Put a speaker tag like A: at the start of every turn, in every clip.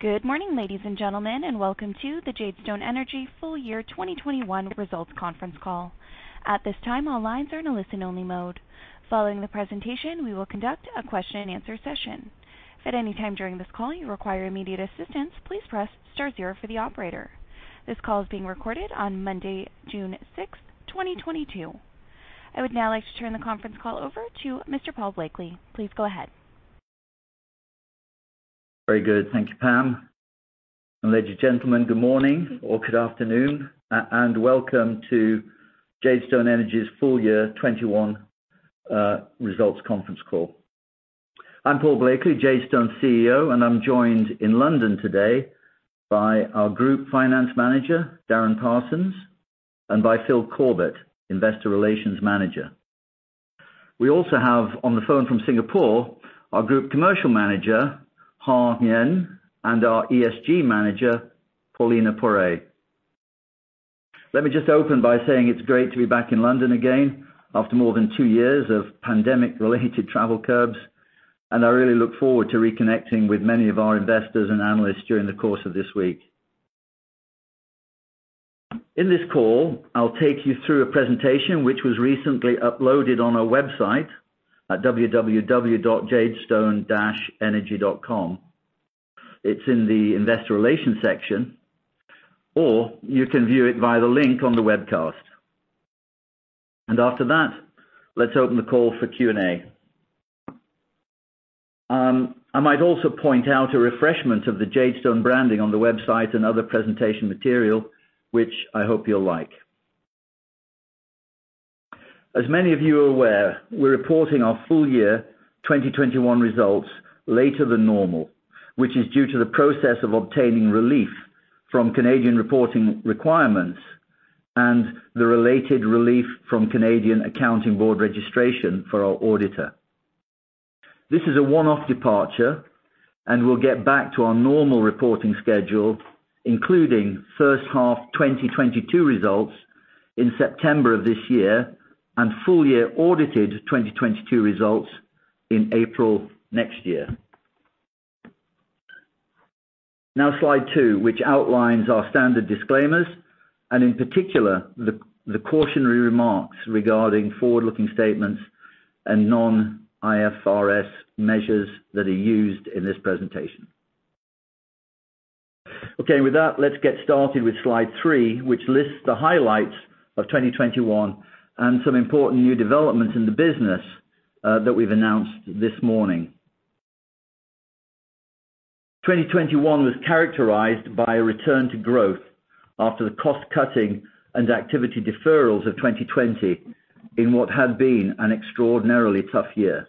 A: Good morning, ladies and gentlemen, and welcome to the Jadestone Energy Full Year 2021 Results Conference Call. At this time, all lines are in a listen-only mode. Following the presentation, we will conduct a question-and-answer session. If at any time during this call you require immediate assistance, please press star zero for the operator. This call is being recorded on Monday, June 6th, 2022. I would now like to turn the conference call over to Mr. Paul Blakeley. Please go ahead.
B: Very good. Thank you, Pam. Ladies and gentlemen, good morning or good afternoon, and welcome to Jadestone Energy's full year 2021 results conference call. I'm Paul Blakeley, Jadestone CEO, and I'm joined in London today by our group finance manager, Derren Parsons, and by Phil Corbett, investor relations manager. We also have on the phone from Singapore, our group commercial manager, Ha Nguyen, and our ESG manager, Paulina Poray. Let me just open by saying it's great to be back in London again after more than two years of pandemic-related travel curbs, and I really look forward to reconnecting with many of our investors and analysts during the course of this week. In this call, I'll take you through a presentation which was recently uploaded on our website at www.jadestone-energy.com. It's in the investor relations section, or you can view it via the link on the webcast. After that, let's open the call for Q&A. I might also point out a refreshment of the Jadestone branding on the website and other presentation material, which I hope you'll like. As many of you are aware, we're reporting our full year 2021 results later than normal, which is due to the process of obtaining relief from Canadian reporting requirements and the related relief from Canadian Accounting Board registration for our auditor. This is a one-off departure, and we'll get back to our normal reporting schedule, including first half 2022 results in September of this year and full year audited 2022 results in April next year. Now, slide two, which outlines our standard disclaimers, and in particular, the cautionary remarks regarding forward-looking statements and non-IFRS measures that are used in this presentation. Okay. With that, let's get started with slide three, which lists the highlights of 2021 and some important new developments in the business that we've announced this morning. 2021 was characterized by a return to growth after the cost-cutting and activity deferrals of 2020 in what had been an extraordinarily tough year.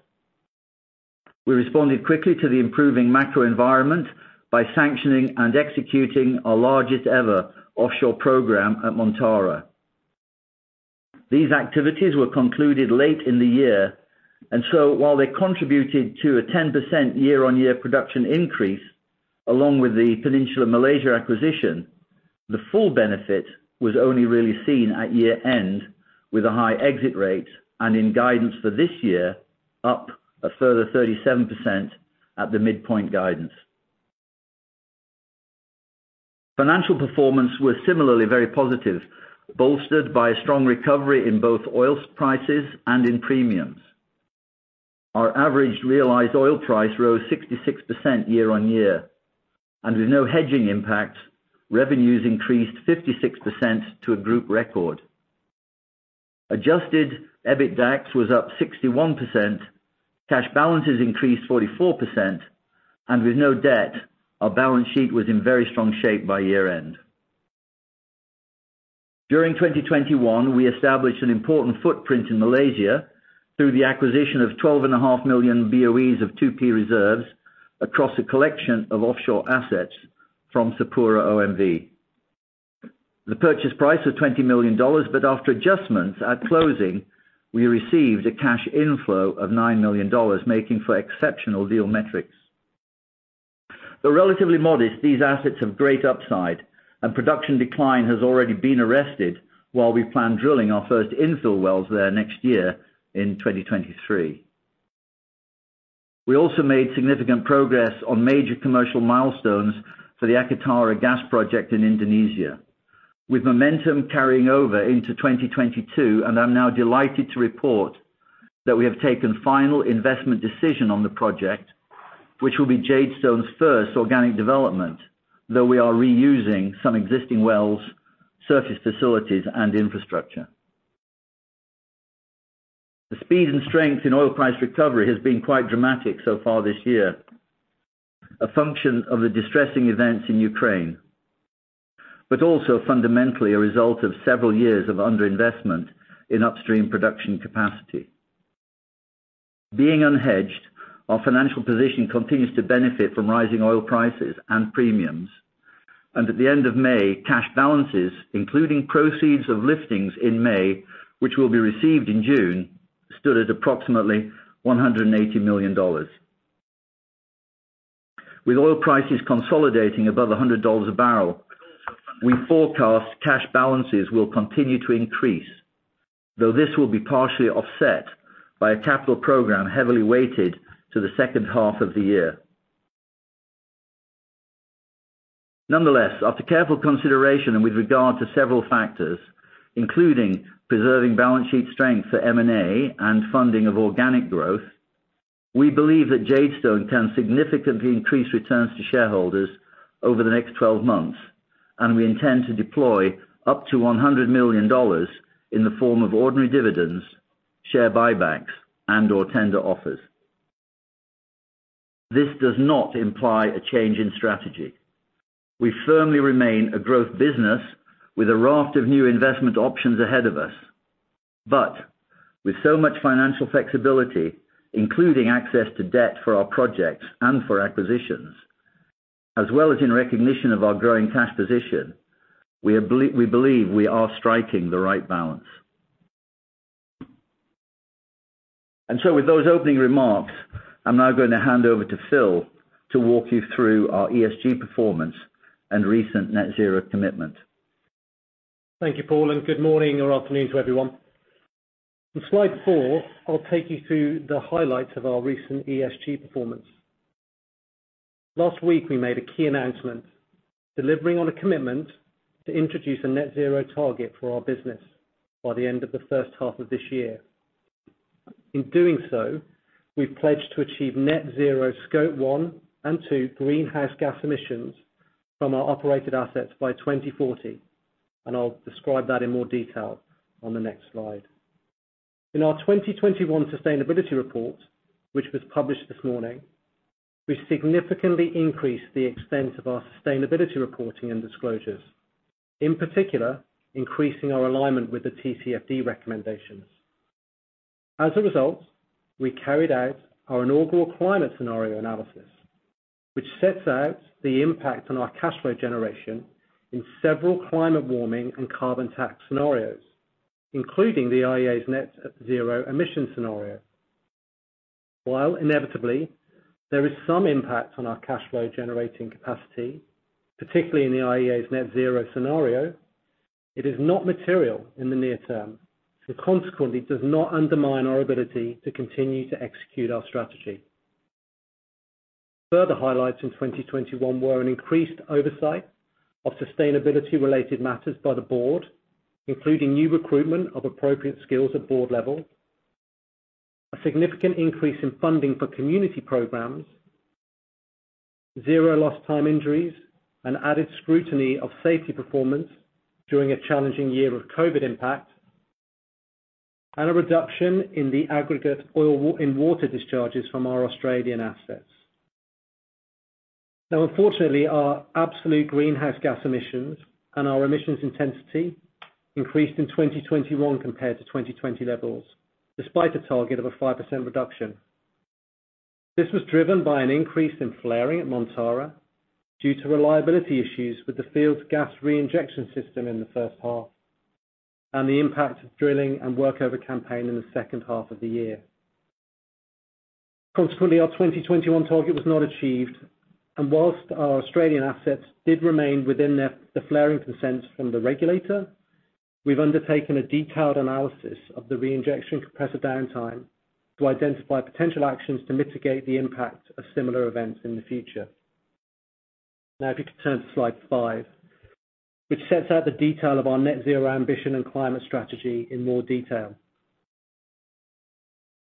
B: We responded quickly to the improving macro environment by sanctioning and executing our largest ever offshore program at Montara. These activities were concluded late in the year, and so while they contributed to a 10% year-on-year production increase along with the Peninsular Malaysia acquisition, the full benefit was only really seen at year-end with a high exit rate and in guidance for this year, up a further 37% at the midpoint guidance. Financial performance was similarly very positive, bolstered by a strong recovery in both oil prices and in premiums. Our averaged realized oil price rose 66% year-on-year. With no hedging impact, revenues increased 56% to a group record. Adjusted EBITDAX was up 61%, cash balances increased 44%, and with no debt, our balance sheet was in very strong shape by year-end. During 2021, we established an important footprint in Malaysia through the acquisition of 12.5 million BOEs of 2P reserves across a collection of offshore assets from SapuraOMV. The purchase price was $20 million, but after adjustments at closing, we received a cash inflow of $9 million, making for exceptional deal metrics. These relatively modest assets have great upside, and production decline has already been arrested while we plan drilling our first infill wells there next year in 2023. We also made significant progress on major commercial milestones for the Akatara gas project in Indonesia. With momentum carrying over into 2022, and I'm now delighted to report that we have taken final investment decision on the project, which will be Jadestone's first organic development, though we are reusing some existing wells, surface facilities, and infrastructure. The speed and strength in oil price recovery has been quite dramatic so far this year. A function of the distressing events in Ukraine, but also fundamentally a result of several years of underinvestment in upstream production capacity. Being unhedged, our financial position continues to benefit from rising oil prices and premiums. At the end of May, cash balances, including proceeds of listings in May, which will be received in June, stood at approximately $180 million. With oil prices consolidating above $100 a barrel, we forecast cash balances will continue to increase. Though this will be partially offset by a capital program heavily weighted to the second half of the year. Nonetheless, after careful consideration and with regard to several factors, including preserving balance sheet strength for M&A and funding of organic growth, we believe that Jadestone can significantly increase returns to shareholders over the next 12 months, and we intend to deploy up to $100 million in the form of ordinary dividends, share buybacks, and/or tender offers. This does not imply a change in strategy. We firmly remain a growth business with a raft of new investment options ahead of us. With so much financial flexibility, including access to debt for our projects and for acquisitions, as well as in recognition of our growing cash position, we believe we are striking the right balance. With those opening remarks, I'm now gonna hand over to Phil to walk you through our ESG performance and recent net zero commitment.
C: Thank you, Paul, and good morning or afternoon to everyone. On slide four, I'll take you through the highlights of our recent ESG performance. Last week, we made a key announcement delivering on a commitment to introduce a net zero target for our business by the end of the first half of this year. In doing so, we've pledged to achieve net zero scope one and two greenhouse gas emissions from our operated assets by 2040, and I'll describe that in more detail on the next slide. In our 2021 sustainability report, which was published this morning, we significantly increased the extent of our sustainability reporting and disclosures. In particular, increasing our alignment with the TCFD recommendations. As a result, we carried out our inaugural climate scenario analysis, which sets out the impact on our cash flow generation in several climate warming and carbon tax scenarios, including the IEA's net zero emission scenario. While inevitably there is some impact on our cash flow generating capacity, particularly in the IEA's net zero scenario, it is not material in the near term. Consequently, it does not undermine our ability to continue to execute our strategy. Further highlights in 2021 were an increased oversight of sustainability-related matters by the board, including new recruitment of appropriate skills at board level, a significant increase in funding for community programs, zero lost time injuries, an added scrutiny of safety performance during a challenging year of COVID impact, and a reduction in the aggregate oil in water discharges from our Australian assets. Now, unfortunately, our absolute greenhouse gas emissions and our emissions intensity increased in 2021 compared to 2020 levels, despite a target of a 5% reduction. This was driven by an increase in flaring at Montara due to reliability issues with the field's gas reinjection system in the first half and the impact of drilling and workover campaign in the second half of the year. Consequently, our 2021 target was not achieved, and while our Australian assets did remain within the flaring consents from the regulator, we've undertaken a detailed analysis of the reinjection compressor downtime to identify potential actions to mitigate the impact of similar events in the future. Now, if you could turn to slide five, which sets out the detail of our net zero ambition and climate strategy in more detail.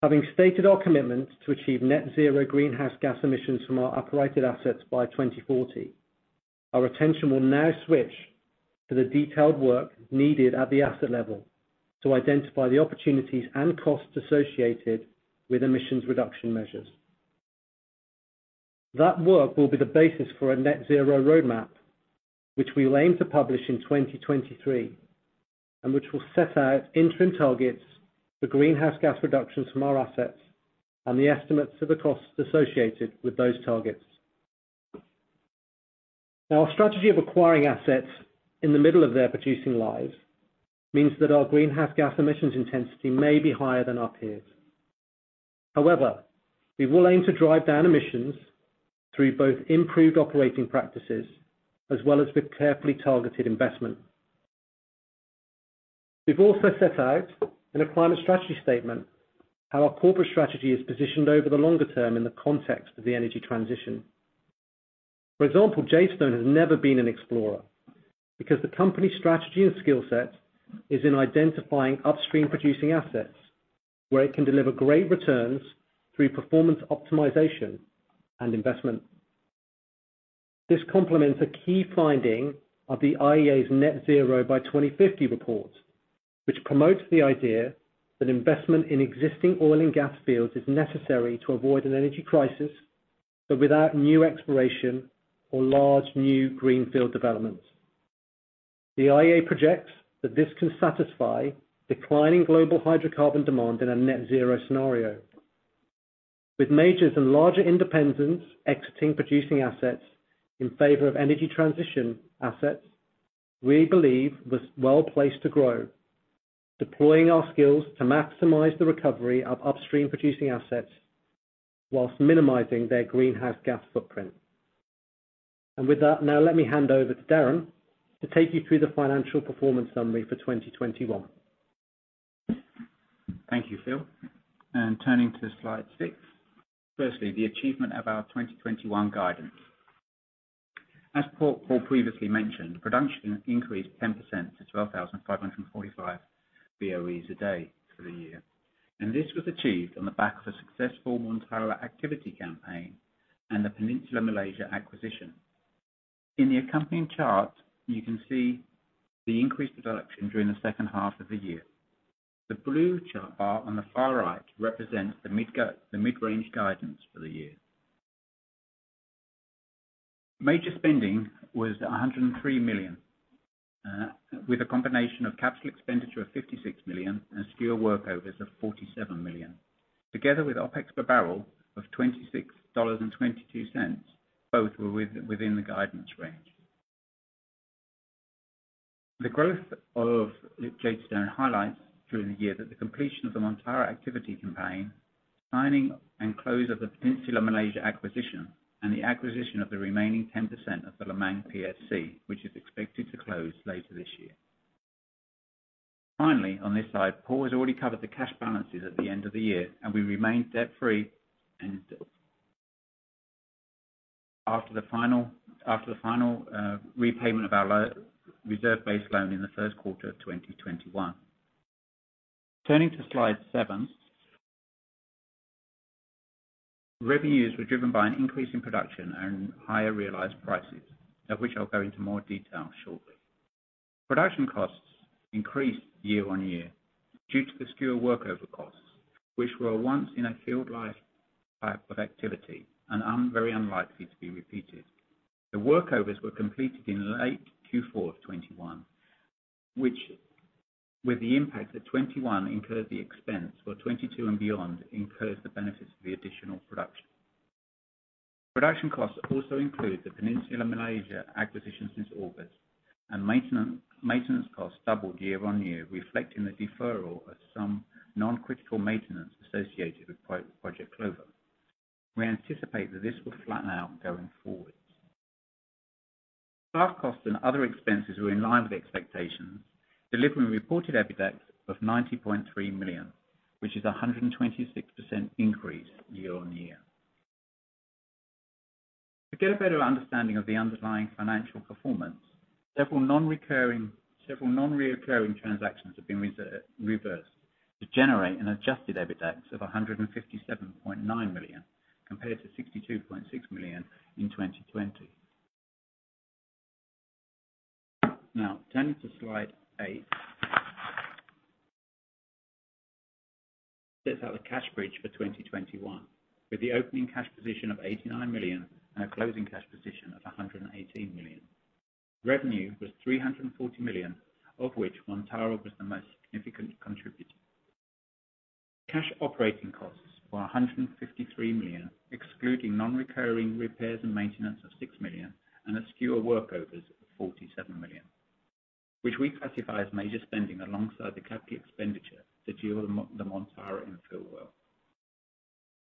C: Having stated our commitment to achieve net zero greenhouse gas emissions from our operated assets by 2040, our attention will now switch to the detailed work needed at the asset level to identify the opportunities and costs associated with emissions reduction measures. That work will be the basis for a net zero roadmap, which we'll aim to publish in 2023, and which will set out interim targets for greenhouse gas reductions from our assets and the estimates of the costs associated with those targets. Now, our strategy of acquiring assets in the middle of their producing lives means that our greenhouse gas emissions intensity may be higher than our peers. However, we will aim to drive down emissions through both improved operating practices as well as with carefully targeted investment. We've also set out in a climate strategy statement how our corporate strategy is positioned over the longer term in the context of the energy transition. For example, Jadestone has never been an explorer because the company's strategy and skill set is in identifying upstream producing assets where it can deliver great returns through performance optimization and investment. This complements a key finding of the IEA's net zero by 2050 report, which promotes the idea that investment in existing oil and gas fields is necessary to avoid an energy crisis, but without new exploration or large new greenfield developments. The IEA projects that this can satisfy declining global hydrocarbon demand in a net zero scenario. With majors and larger independents exiting producing assets in favor of energy transition assets, we believe we're well-placed to grow, deploying our skills to maximize the recovery of upstream producing assets while minimizing their greenhouse gas footprint. With that, now let me hand over to Derren to take you through the financial performance summary for 2021.
D: Thank you, Phil. Turning to slide six. Firstly, the achievement of our 2021 guidance. As Paul previously mentioned, production increased 10% to 12,545 BOEs a day for the year. This was achieved on the back of a successful Montara activity campaign and the Peninsular Malaysia acquisition. In the accompanying chart, you can see the increased production during the second half of the year. The blue chart bar on the far right represents the mid-range guidance for the year. Major spending was $103 million with a combination of capital expenditure of $56 million and Skua workovers of $47 million. Together with OpEx per barrel of $26.22, both were within the guidance range. The growth of Jadestone highlights during the year that the completion of the Montara activity campaign, signing and close of the Peninsular Malaysia acquisition, and the acquisition of the remaining 10% of the Lemang PSC, which is expected to close later this year. Finally, on this side, Paul has already covered the cash balances at the end of the year, and we remain debt-free. After the final repayment of our reserve-based loan in the first quarter of 2021. Turning to slide seven. Revenues were driven by an increase in production and higher realized prices, of which I'll go into more detail shortly. Production costs increased year-on-year due to the Skua workover costs, which were once in a field life type of activity and very unlikely to be repeated. The workovers were completed in late Q4 of 2021, which, with the impact that 2021 incurred the expense, while 2022 and beyond incurs the benefits of the additional production. Production costs also include the Peninsular Malaysia acquisition since August and maintenance costs doubled year-on-year, reflecting the deferral of some non-critical maintenance associated with Project Clover. We anticipate that this will flatten out going forward. Staff costs and other expenses were in line with expectations, delivering reported EBITDA of $90.3 million, which is a 126% increase year-on-year. To get a better understanding of the underlying financial performance, several non-recurring transactions have been reversed to generate an adjusted EBITDA of $157.9 million compared to $62.6 million in 2020. Now, turning to slide eight. Sets out the cash bridge for 2021, with the opening cash position of $89 million and a closing cash position of $118 million. Revenue was $340 million, of which Montara was the most significant contributor. Cash operating costs were $153 million, excluding non-recurring repairs and maintenance of $6 million and the Skua workovers of $47 million, which we classify as major spending alongside the capital expenditure to drill the Montara infill well.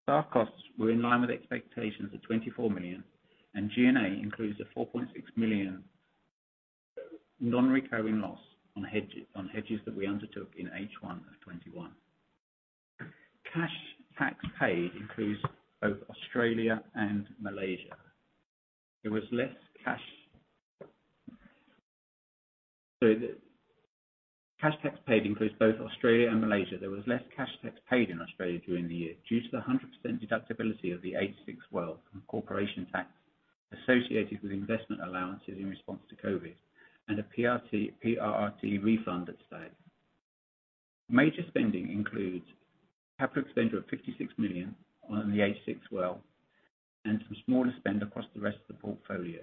D: Staff costs were in line with expectations of $24 million, and G&A includes a $4.6 million non-recurring loss on hedges that we undertook in H1 of 2021. Cash tax paid increased in both Australia and Malaysia. There was less cash tax paid in Australia during the year due to the 100% deductibility of the H6 well from corporation tax associated with investment allowances in response to COVID and a PRRT refund that's paid. Major spending includes capital expenditure of $56 million on the H6 well and some smaller spend across the rest of the portfolio.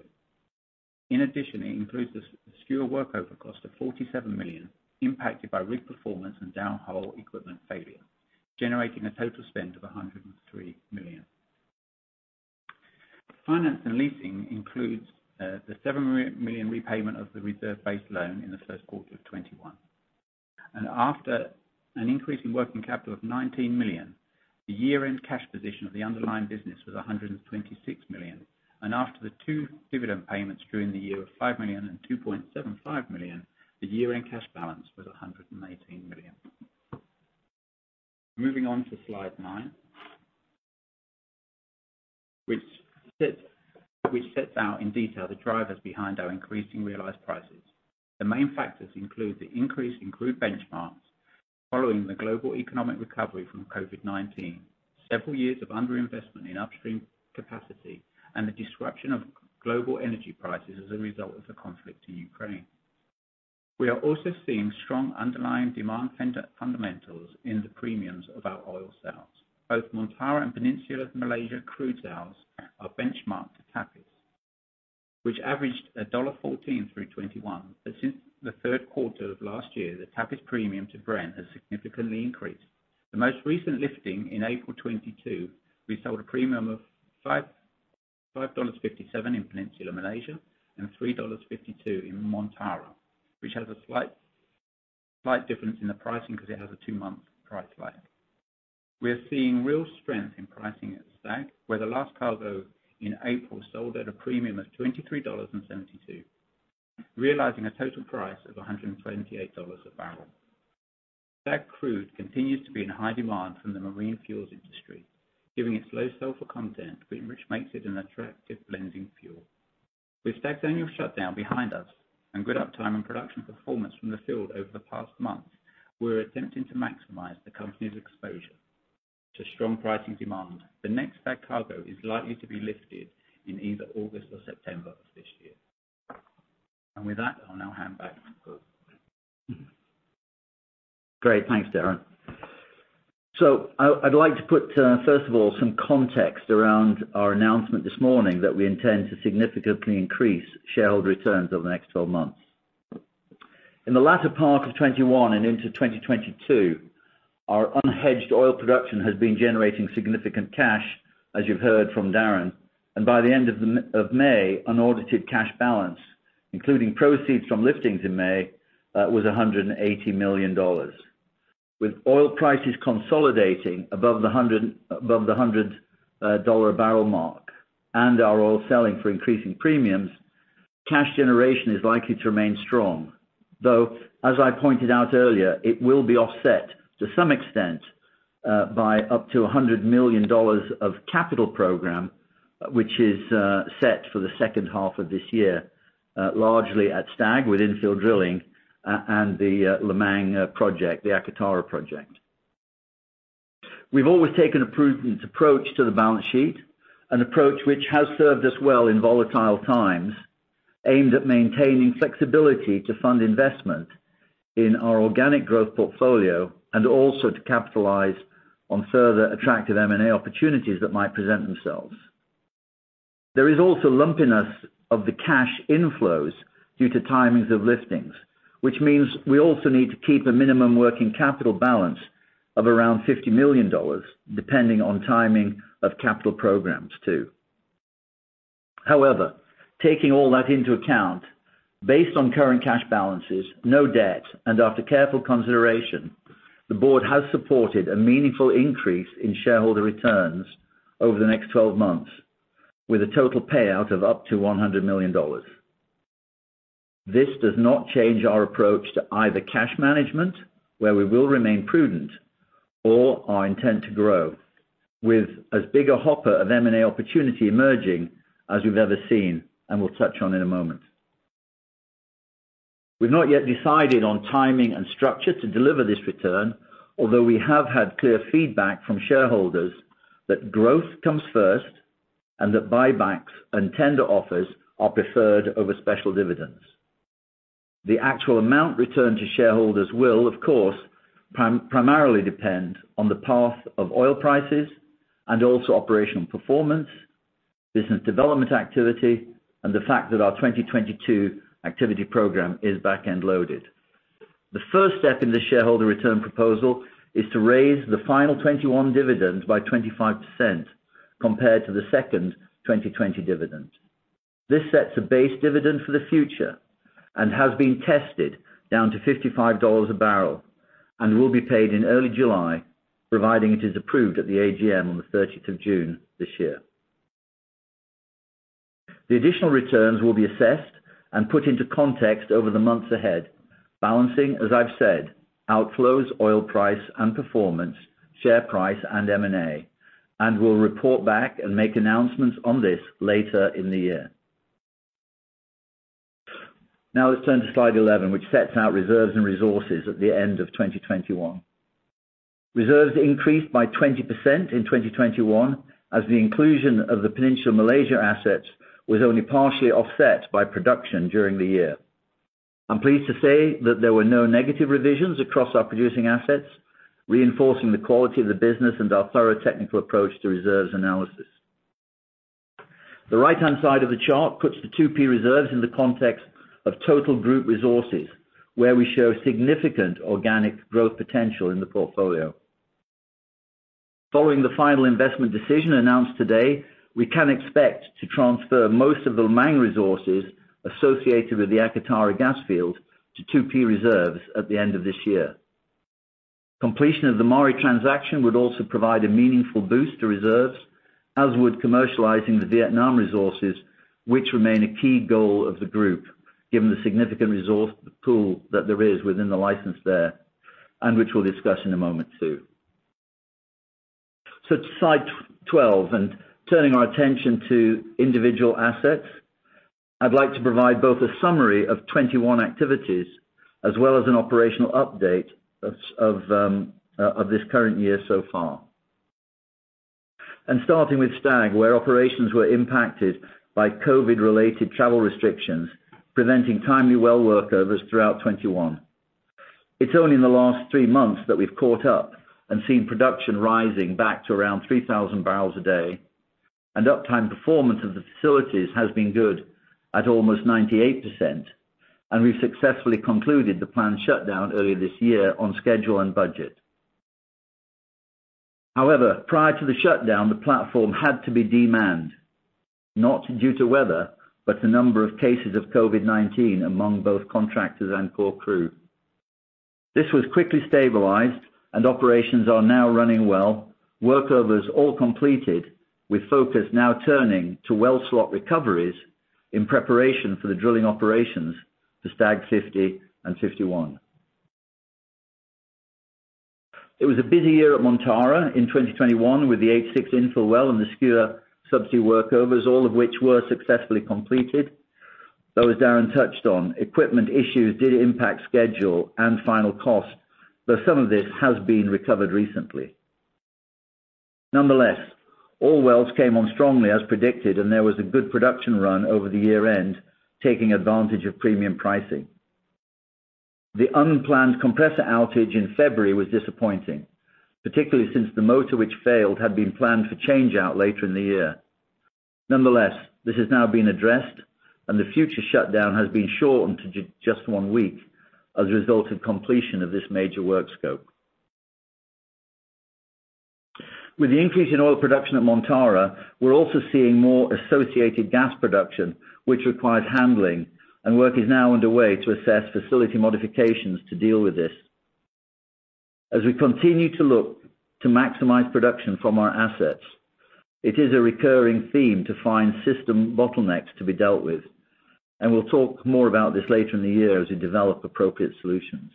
D: In addition, it includes the Skua workover cost of $47 million impacted by rig performance and down hole equipment failure, generating a total spend of $103 million. Finance and leasing includes the $7 million repayment of the reserve-based loan in the first quarter of 2021. After an increase in working capital of $19 million, the year-end cash position of the underlying business was $126 million. After the two dividend payments during the year of $5 million and $2.75 million, the year-end cash balance was $118 million. Moving on to slide nine, which sets out in detail the drivers behind our increasing realized prices. The main factors include the increase in crude benchmarks following the global economic recovery from COVID-19, several years of underinvestment in upstream capacity, and the disruption of global energy prices as a result of the conflict in Ukraine. We are also seeing strong underlying demand fundamentals in the premiums of our oil sales. Both Montara and Peninsular Malaysia crude sales are benchmarked to Tapis, which averaged $14 through 2021. Since the third quarter of last year, the Tapis premium to Brent has significantly increased. The most recent lifting in April 2022, we sold a premium of $5.57 in Peninsular Malaysia and $3.52 in Montara, which has a slight difference in the pricing because it has a two-month price lag. We are seeing real strength in pricing at Stag, where the last cargo in April sold at a premium of $23.72, realizing a total price of $128 a barrel. Stag crude continues to be in high demand from the marine fuels industry, giving it low sulfur content, which makes it an attractive blending fuel. With Stag annual shutdown behind us and good uptime and production performance from the field over the past month, we're attempting to maximize the company's exposure to strong pricing demand. The next Stag cargo is likely to be lifted in either August or September of this year. With that, I'll now hand back to Paul.
B: Great. Thanks, Derren. I'd like to put first of all some context around our announcement this morning that we intend to significantly increase shareholder returns over the next 12 months. In the latter part of 2021 and into 2022, our unhedged oil production has been generating significant cash, as you've heard from Derren. By the end of May, unaudited cash balance, including proceeds from liftings in May, was $180 million. With oil prices consolidating above $100 a barrel mark, and our oil selling for increasing premiums, cash generation is likely to remain strong. Though, as I pointed out earlier, it will be offset to some extent by up to $100 million of capital program, which is set for the second half of this year, largely at Stag with infill drilling, and the Lemang project, the Akatara project. We've always taken a prudent approach to the balance sheet, an approach which has served us well in volatile times, aimed at maintaining flexibility to fund investment in our organic growth portfolio and also to capitalize on further attractive M&A opportunities that might present themselves. There is also lumpiness of the cash inflows due to timings of liftings, which means we also need to keep a minimum working capital balance of around $50 million, depending on timing of capital programs too. However, taking all that into account, based on current cash balances, no debt, and after careful consideration, the board has supported a meaningful increase in shareholder returns over the next twelve months with a total payout of up to $100 million. This does not change our approach to either cash management, where we will remain prudent, or our intent to grow with as big a hopper of M&A opportunity emerging as we've ever seen, and we'll touch on in a moment. We've not yet decided on timing and structure to deliver this return. Although we have had clear feedback from shareholders that growth comes first and that buybacks and tender offers are preferred over special dividends. The actual amount returned to shareholders will, of course, primarily depend on the path of oil prices and also operational performance, business development activity, and the fact that our 2022 activity program is back-end loaded. The first step in the shareholder return proposal is to raise the final 2021 dividend by 25% compared to the second 2020 dividend. This sets a base dividend for the future and has been tested down to $55 a barrel and will be paid in early July, providing it is approved at the AGM on the 30th of June this year. The additional returns will be assessed and put into context over the months ahead, balancing, as I've said, outflows, oil price and performance, share price, and M&A, and we'll report back and make announcements on this later in the year. Now let's turn to slide 11, which sets out reserves and resources at the end of 2021. Reserves increased by 20% in 2021 as the inclusion of the Peninsular Malaysia assets was only partially offset by production during the year. I'm pleased to say that there were no negative revisions across our producing assets, reinforcing the quality of the business and our thorough technical approach to reserves analysis. The right-hand side of the chart puts the 2P reserves in the context of total group resources, where we show significant organic growth potential in the portfolio. Following the final investment decision announced today, we can expect to transfer most of the Lemang resources associated with the Akatara gas field to 2P reserves at the end of this year. Completion of the Maari transaction would also provide a meaningful boost to reserves, as would commercializing the Vietnam resources, which remain a key goal of the group, given the significant resource pool that there is within the license there and which we'll discuss in a moment too. To slide twelve and turning our attention to individual assets, I'd like to provide both a summary of 2021 activities as well as an operational update of this current year so far. Starting with Stag, where operations were impacted by COVID-related travel restrictions, preventing timely well workovers throughout 2021. It's only in the last three months that we've caught up and seen production rising back to around 3,000 bbl a day. Uptime performance of the facilities has been good at almost 98%. We've successfully concluded the planned shutdown earlier this year on schedule and budget. However, prior to the shutdown, the platform had to be de-manned, not due to weather, but the number of cases of COVID-19 among both contractors and core crew. This was quickly stabilized and operations are now running well. Workovers all completed with focus now turning to well slot recoveries in preparation for the drilling operations to Stag 50 and 51. It was a busy year at Montara in 2021 with the H6 infill well and the Skua subsea workovers, all of which were successfully completed. Though as Darren touched on, equipment issues did impact schedule and final cost, but some of this has been recovered recently. Nonetheless, all wells came on strongly as predicted, and there was a good production run over the year-end, taking advantage of premium pricing. The unplanned compressor outage in February was disappointing, particularly since the motor which failed had been planned for change-out later in the year. Nonetheless, this has now been addressed, and the future shutdown has been shortened to just one week as a result of completion of this major work scope. With the increase in oil production at Montara, we're also seeing more associated gas production, which requires handling, and work is now underway to assess facility modifications to deal with this. As we continue to look to maximize production from our assets, it is a recurring theme to find system bottlenecks to be dealt with, and we'll talk more about this later in the year as we develop appropriate solutions.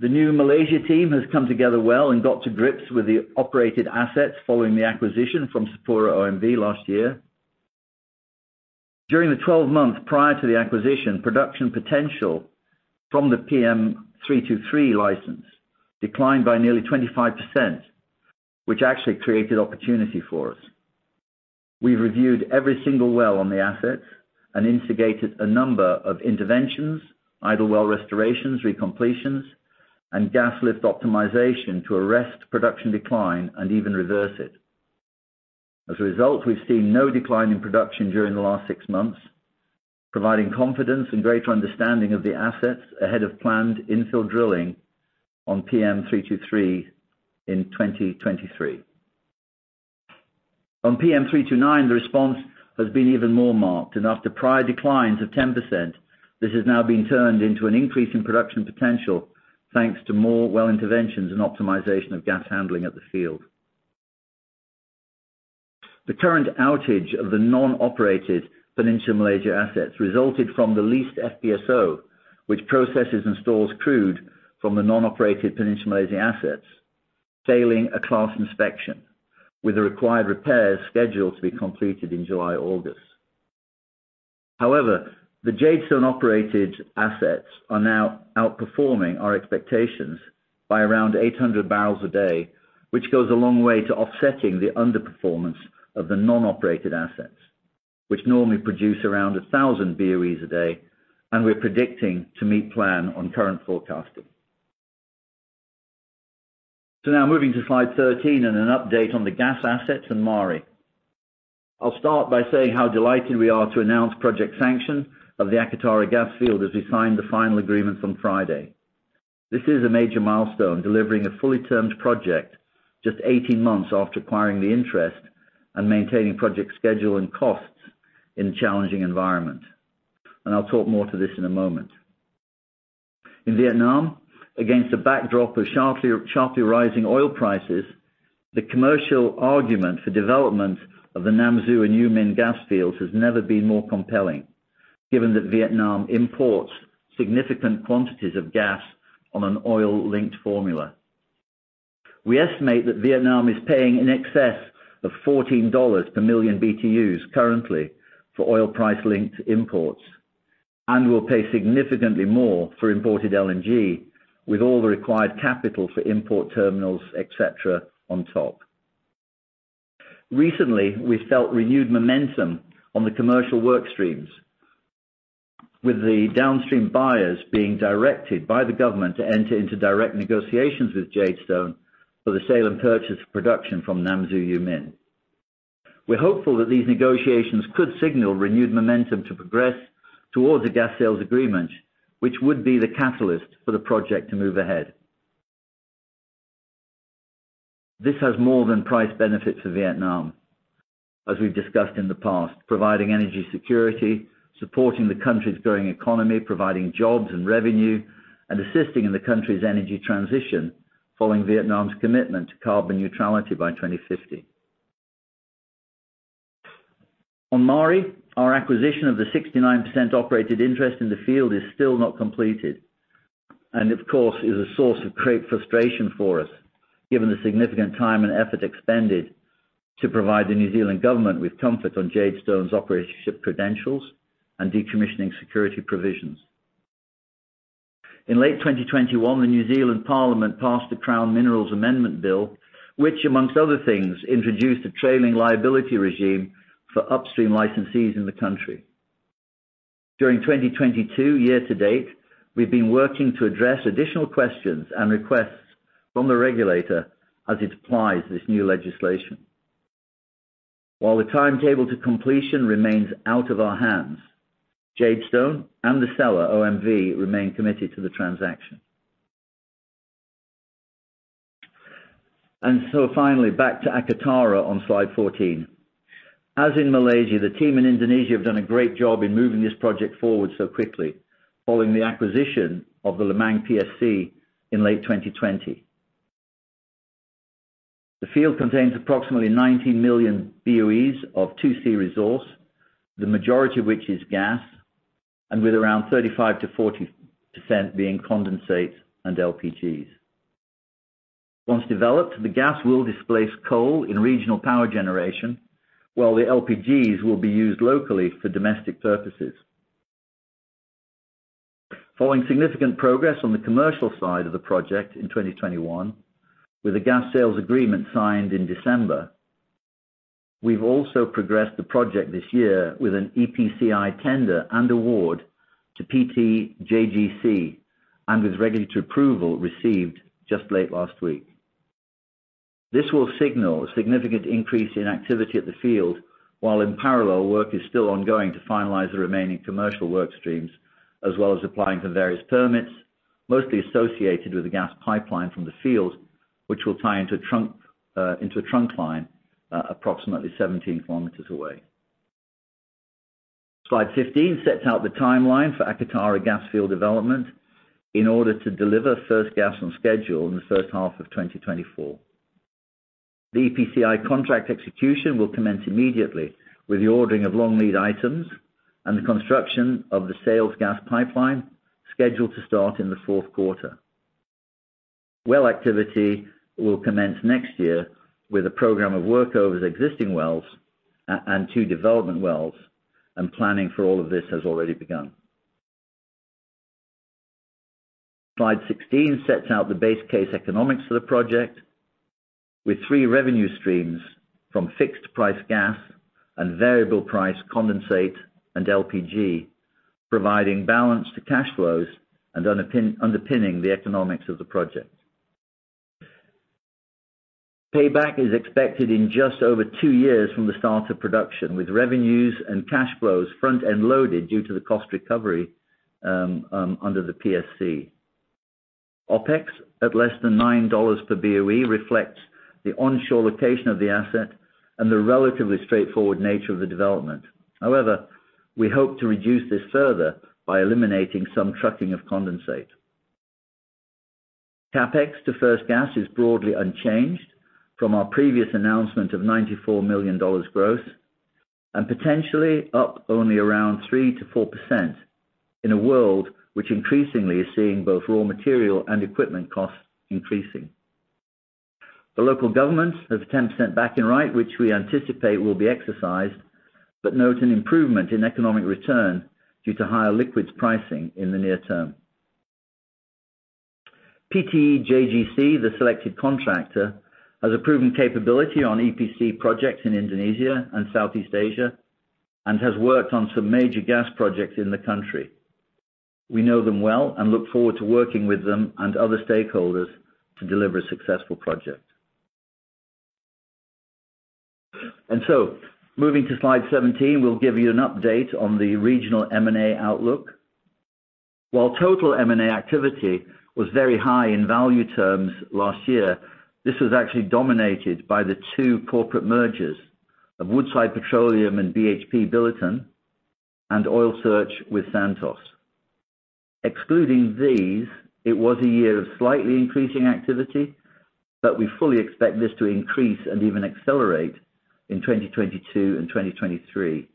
B: The new Malaysia team has come together well and got to grips with the operated assets following the acquisition from SapuraOMV last year. During the 12 months prior to the acquisition, production potential from the PM323 license declined by nearly 25%, which actually created opportunity for us. We reviewed every single well on the assets and instigated a number of interventions, either well restorations, recompletions, and gas lift optimization to arrest production decline and even reverse it. As a result, we've seen no decline in production during the last six months, providing confidence and greater understanding of the assets ahead of planned infill drilling on PM323 in 2023. On PM329, the response has been even more marked, and after prior declines of 10%, this has now been turned into an increase in production potential, thanks to more well interventions and optimization of gas handling at the field. The current outage of the non-operated Peninsular Malaysia assets resulted from the leased FPSO, which processes and stores crude from the non-operated Peninsular Malaysia assets, failing a class inspection with the required repairs scheduled to be completed in July, August. However, the Jadestone-operated assets are now outperforming our expectations by around 800 bbl a day, which goes a long way to offsetting the underperformance of the non-operated assets, which normally produce around 1,000 BOE a day, and we're predicting to meet plan on current forecasting. Now moving to slide 13 and an update on the gas assets and Maari. I'll start by saying how delighted we are to announce project sanction of the Akatara gas field as we signed the final agreement from Friday. This is a major milestone, delivering a fully termed project just 18 months after acquiring the interest and maintaining project schedule and costs in a challenging environment. I'll talk more to this in a moment. In Vietnam, against a backdrop of sharply rising oil prices, the commercial argument for development of the Nam Du and U Minh gas fields has never been more compelling, given that Vietnam imports significant quantities of gas on an oil-linked formula. We estimate that Vietnam is paying in excess of $14 per million BTUs currently for oil price-linked imports and will pay significantly more for imported LNG with all the required capital for import terminals, et cetera, on top. Recently, we felt renewed momentum on the commercial work streams with the downstream buyers being directed by the government to enter into direct negotiations with Jadestone for the sale and purchase of production from Nam Du and U Minh. We're hopeful that these negotiations could signal renewed momentum to progress towards a gas sales agreement, which would be the catalyst for the project to move ahead. This has more than price benefit for Vietnam, as we've discussed in the past, providing energy security, supporting the country's growing economy, providing jobs and revenue, and assisting in the country's energy transition following Vietnam's commitment to carbon neutrality by 2050. On Maari, our acquisition of the 69% operated interest in the field is still not completed and of course, is a source of great frustration for us, given the significant time and effort expended to provide the New Zealand government with comfort on Jadestone's operation credentials and decommissioning security provisions. In late 2021, the New Zealand Parliament passed the Crown Minerals Amendment Act, which among other things, introduced a trailing liability regime for upstream licensees in the country. During 2022 year to date, we've been working to address additional questions and requests from the regulator as it applies this new legislation. While the timetable to completion remains out of our hands, Jadestone and the seller, OMV, remain committed to the transaction. Finally back to Akatara on slide 14. As in Malaysia, the team in Indonesia have done a great job in moving this project forward so quickly following the acquisition of the Lemang PSC in late 2020. The field contains approximately 90 million BOEs of 2C resource, the majority of which is gas, and with around 35%-40% being condensate and LPGs. Once developed, the gas will displace coal in regional power generation, while the LPGs will be used locally for domestic purposes. Following significant progress on the commercial side of the project in 2021, with a gas sales agreement signed in December, we've also progressed the project this year with an EPCI tender and award to PT JGC and with regulatory approval received just late last week. This will signal a significant increase in activity at the field while in parallel work is still ongoing to finalize the remaining commercial work streams, as well as applying for various permits, mostly associated with the gas pipeline from the field, which will tie into a trunk line approximately 17 kilometers away. Slide 15 sets out the timeline for Akatara gas field development in order to deliver first gas on schedule in the first half of 2024. The EPCI contract execution will commence immediately with the ordering of long lead items and the construction of the sales gas pipeline scheduled to start in the fourth quarter. Well activity will commence next year with a program of workovers existing wells and two development wells, and planning for all of this has already begun. Slide 16 sets out the base case economics for the project with three revenue streams from fixed price gas and variable price condensate and LPG, providing balance to cash flows and underpinning the economics of the project. Payback is expected in just over two years from the start of production, with revenues and cash flows front and loaded due to the cost recovery under the PSC. OpEx at less than $9 per BOE reflects the onshore location of the asset and the relatively straightforward nature of the development. However, we hope to reduce this further by eliminating some trucking of condensate. CapEx to first gas is broadly unchanged from our previous announcement of $94 million growth, and potentially up only around 3%-4% in a world which increasingly is seeing both raw material and equipment costs increasing. The local government has a 10% back-in right which we anticipate will be exercised, but note an improvement in economic return due to higher liquids pricing in the near term. PT JGC, the selected contractor, has a proven capability on EPC projects in Indonesia and Southeast Asia and has worked on some major gas projects in the country. We know them well and look forward to working with them and other stakeholders to deliver a successful project. Moving to slide 17, we'll give you an update on the regional M&A outlook. While total M&A activity was very high in value terms last year, this was actually dominated by the two corporate mergers of Woodside Petroleum and BHP and Oil Search with Santos. Excluding these, it was a year of slightly increasing activity, but we fully expect this to increase and even accelerate in 2022 and 2023.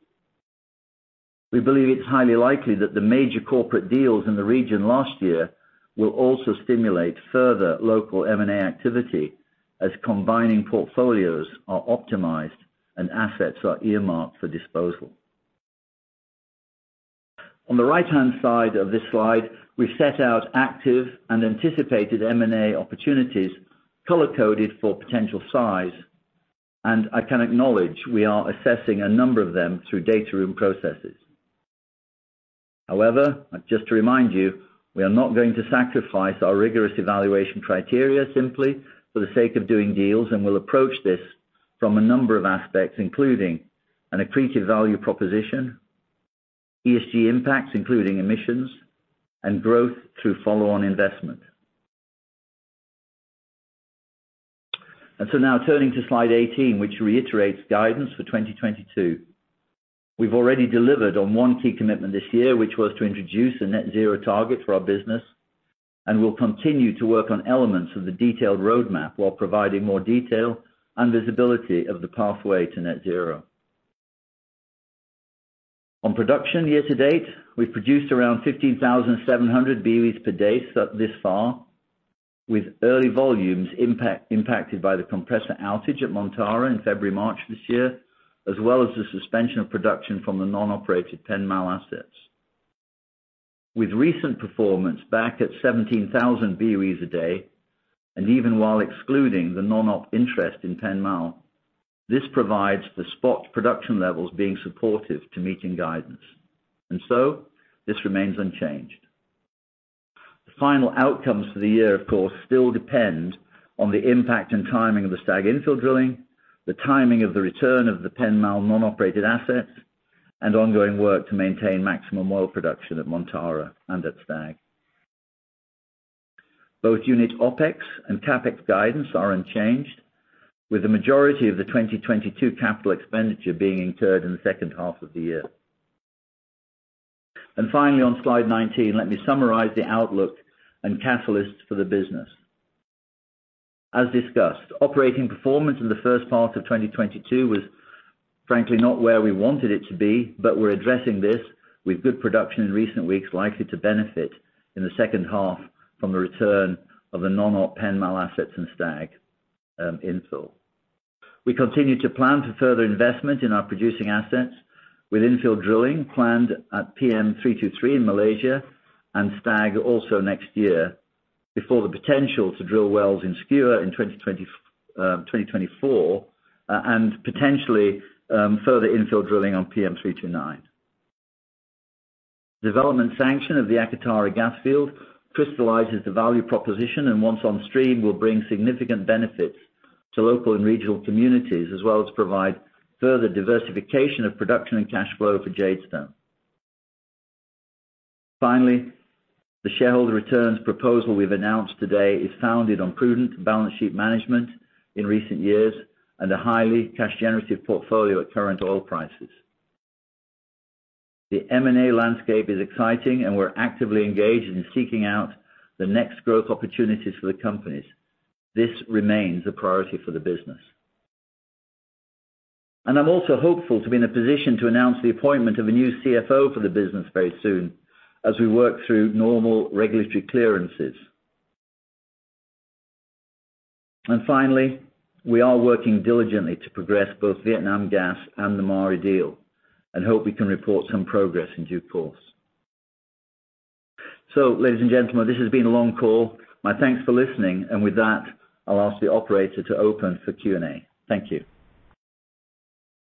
B: We believe it's highly likely that the major corporate deals in the region last year will also stimulate further local M&A activity as combining portfolios are optimized and assets are earmarked for disposal. On the right-hand side of this slide, we set out active and anticipated M&A opportunities color-coded for potential size, and I can acknowledge we are assessing a number of them through data room processes. However, just to remind you, we are not going to sacrifice our rigorous evaluation criteria simply for the sake of doing deals and will approach this from a number of aspects, including an accreted value proposition, ESG impacts, including emissions and growth through follow-on investment. Now turning to slide 18, which reiterates guidance for 2022. We've already delivered on one key commitment this year, which was to introduce a net zero target for our business, and we'll continue to work on elements of the detailed roadmap while providing more detail and visibility of the pathway to net zero. On production year to date, we've produced around 15,700 BOE per day so far, with early volumes impacted by the compressor outage at Montara in February, March this year, as well as the suspension of production from the non-operated PenMal assets. With recent performance back at 17,000 BOE a day and even while excluding the non-op interest in PenMal, this provides the spot production levels being supportive to meeting guidance. This remains unchanged. The final outcomes for the year, of course, still depend on the impact and timing of the Stag infill drilling, the timing of the return of the Penmal non-operated assets, and ongoing work to maintain maximum oil production at Montara and at Stag. Both unit OpEx and CapEx guidance are unchanged, with the majority of the 2022 capital expenditure being incurred in the second half of the year. Finally, on slide 19, let me summarize the outlook and catalysts for the business. As discussed, operating performance in the first half of 2022 was frankly not where we wanted it to be, but we're addressing this with good production in recent weeks, likely to benefit in the second half from the return of the non-op Penmal assets and Stag infill. We continue to plan to further investment in our producing assets with infill drilling planned at PM323 in Malaysia and Stag also next year. Before the potential to drill wells in Skua in 2024, and potentially further infill drilling on PM329. Development sanction of the Akatara gas field crystallizes the value proposition, and once on stream will bring significant benefits to local and regional communities, as well as provide further diversification of production and cash flow for Jadestone. Finally, the shareholder returns proposal we've announced today is founded on prudent balance sheet management in recent years and a highly cash-generative portfolio at current oil prices. The M&A landscape is exciting, and we're actively engaged in seeking out the next growth opportunities for the companies. This remains a priority for the business. I'm also hopeful to be in a position to announce the appointment of a new CFO for the business very soon as we work through normal regulatory clearances. Finally, we are working diligently to progress both Vietnam gas and the Maari deal and hope we can report some progress in due course. Ladies and gentlemen, this has been a long call. My thanks for listening. With that, I'll ask the operator to open for Q&A. Thank you.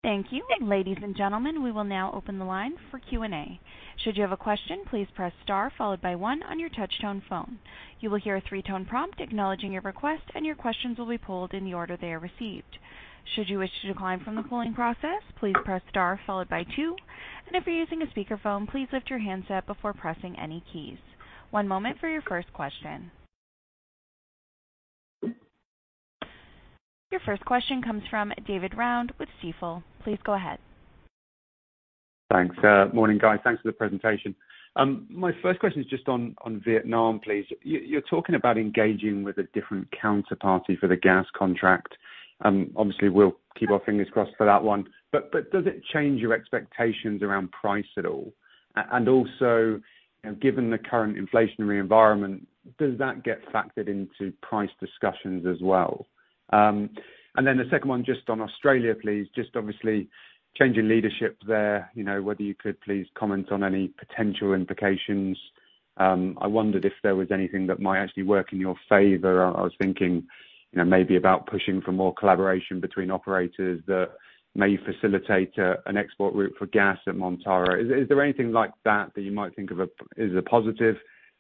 A: Thank you. Ladies and gentlemen, we will now open the line for Q&A. Should you have a question, please press star followed by one on your touch-tone phone. You will hear a three-tone prompt acknowledging your request, and your questions will be pulled in the order they are received. Should you wish to decline from the polling process, please press star followed by two. If you're using a speakerphone, please lift your handset before pressing any keys. One moment for your first question. Your first question comes from David Round with Stifel. Please go ahead.
E: Thanks. Morning, guys. Thanks for the presentation. My first question is just on Vietnam, please. You are talking about engaging with a different counterparty for the gas contract. Obviously, we'll keep our fingers crossed for that one. Does it change your expectations around price at all? Also, you know, given the current inflationary environment, does that get factored into price discussions as well? Then the second one just on Australia, please, just the obvious change in leadership there, you know, whether you could please comment on any potential implications. I wondered if there was anything that might actually work in your favor. I was thinking, you know, maybe about pushing for more collaboration between operators that may facilitate an export route for gas at Montara. Is there anything like that that you might think of as a positive?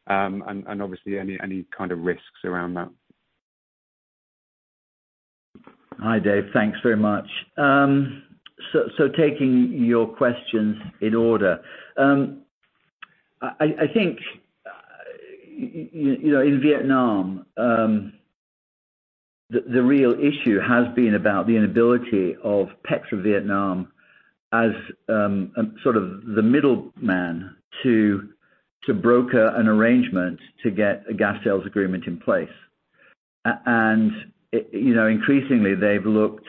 E: Obviously any kind of risks around that?
B: Hi, Dave. Thanks very much. Taking your questions in order. I think, you know, in Vietnam, the real issue has been about the inability of Petrovietnam as sort of the middleman to broker an arrangement to get a gas sales agreement in place. You know, increasingly, they've looked,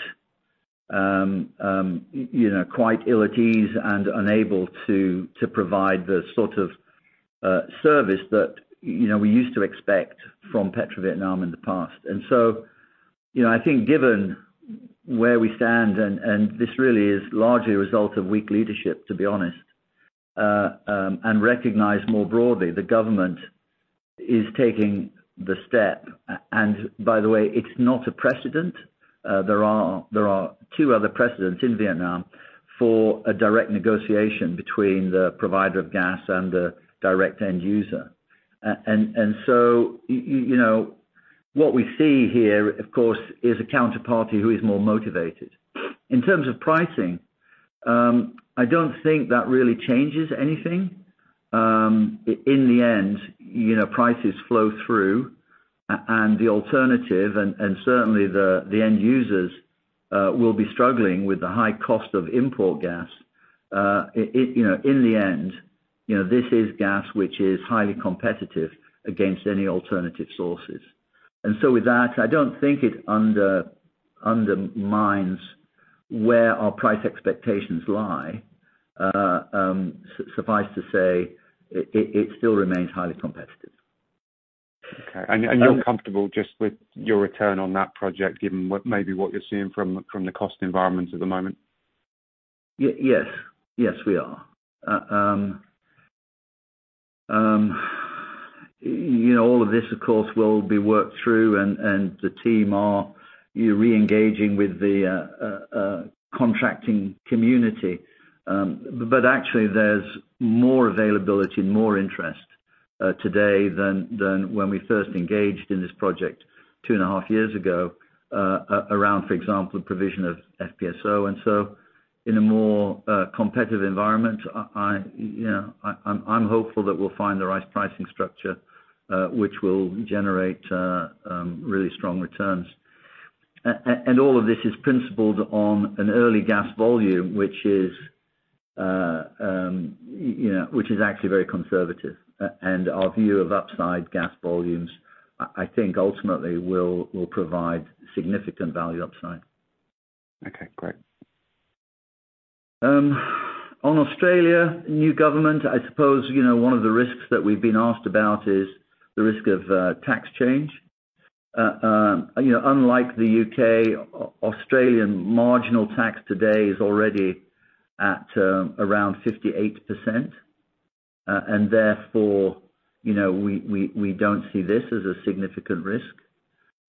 B: you know, quite ill at ease and unable to provide the sort of service that, you know, we used to expect from Petrovietnam in the past. You know, I think given where we stand and this really is largely a result of weak leadership, to be honest. Recognize more broadly the government is taking the step. By the way, it's not a precedent. There are two other precedents in Vietnam for a direct negotiation between the provider of gas and the direct end user. You know, what we see here, of course, is a counterparty who is more motivated. In terms of pricing, I don't think that really changes anything. In the end, you know, prices flow through, and the alternative, and certainly the end users will be struggling with the high cost of import gas. You know, in the end, you know, this is gas which is highly competitive against any alternative sources. With that, I don't think it undermines where our price expectations lie. Suffice to say, it still remains highly competitive.
E: You're comfortable just with your return on that project, given what you're seeing from the cost environment at the moment?
B: Yes, we are. You know, all of this, of course, will be worked through and the team are, you know, re-engaging with the contracting community. But actually there's more availability, more interest today than when we first engaged in this project 2.5 years ago, around, for example, the provision of FPSO. In a more competitive environment, I, you know, I'm hopeful that we'll find the right pricing structure, which will generate really strong returns. All of this is premised on an early gas volume, which, you know, is actually very conservative. Our view of upside gas volumes, I think ultimately will provide significant value upside.
E: Okay, great.
B: On Australia, new government, I suppose, you know, one of the risks that we've been asked about is the risk of tax change. You know, unlike the U.K., Australian marginal tax today is already at around 58%. Therefore, you know, we don't see this as a significant risk.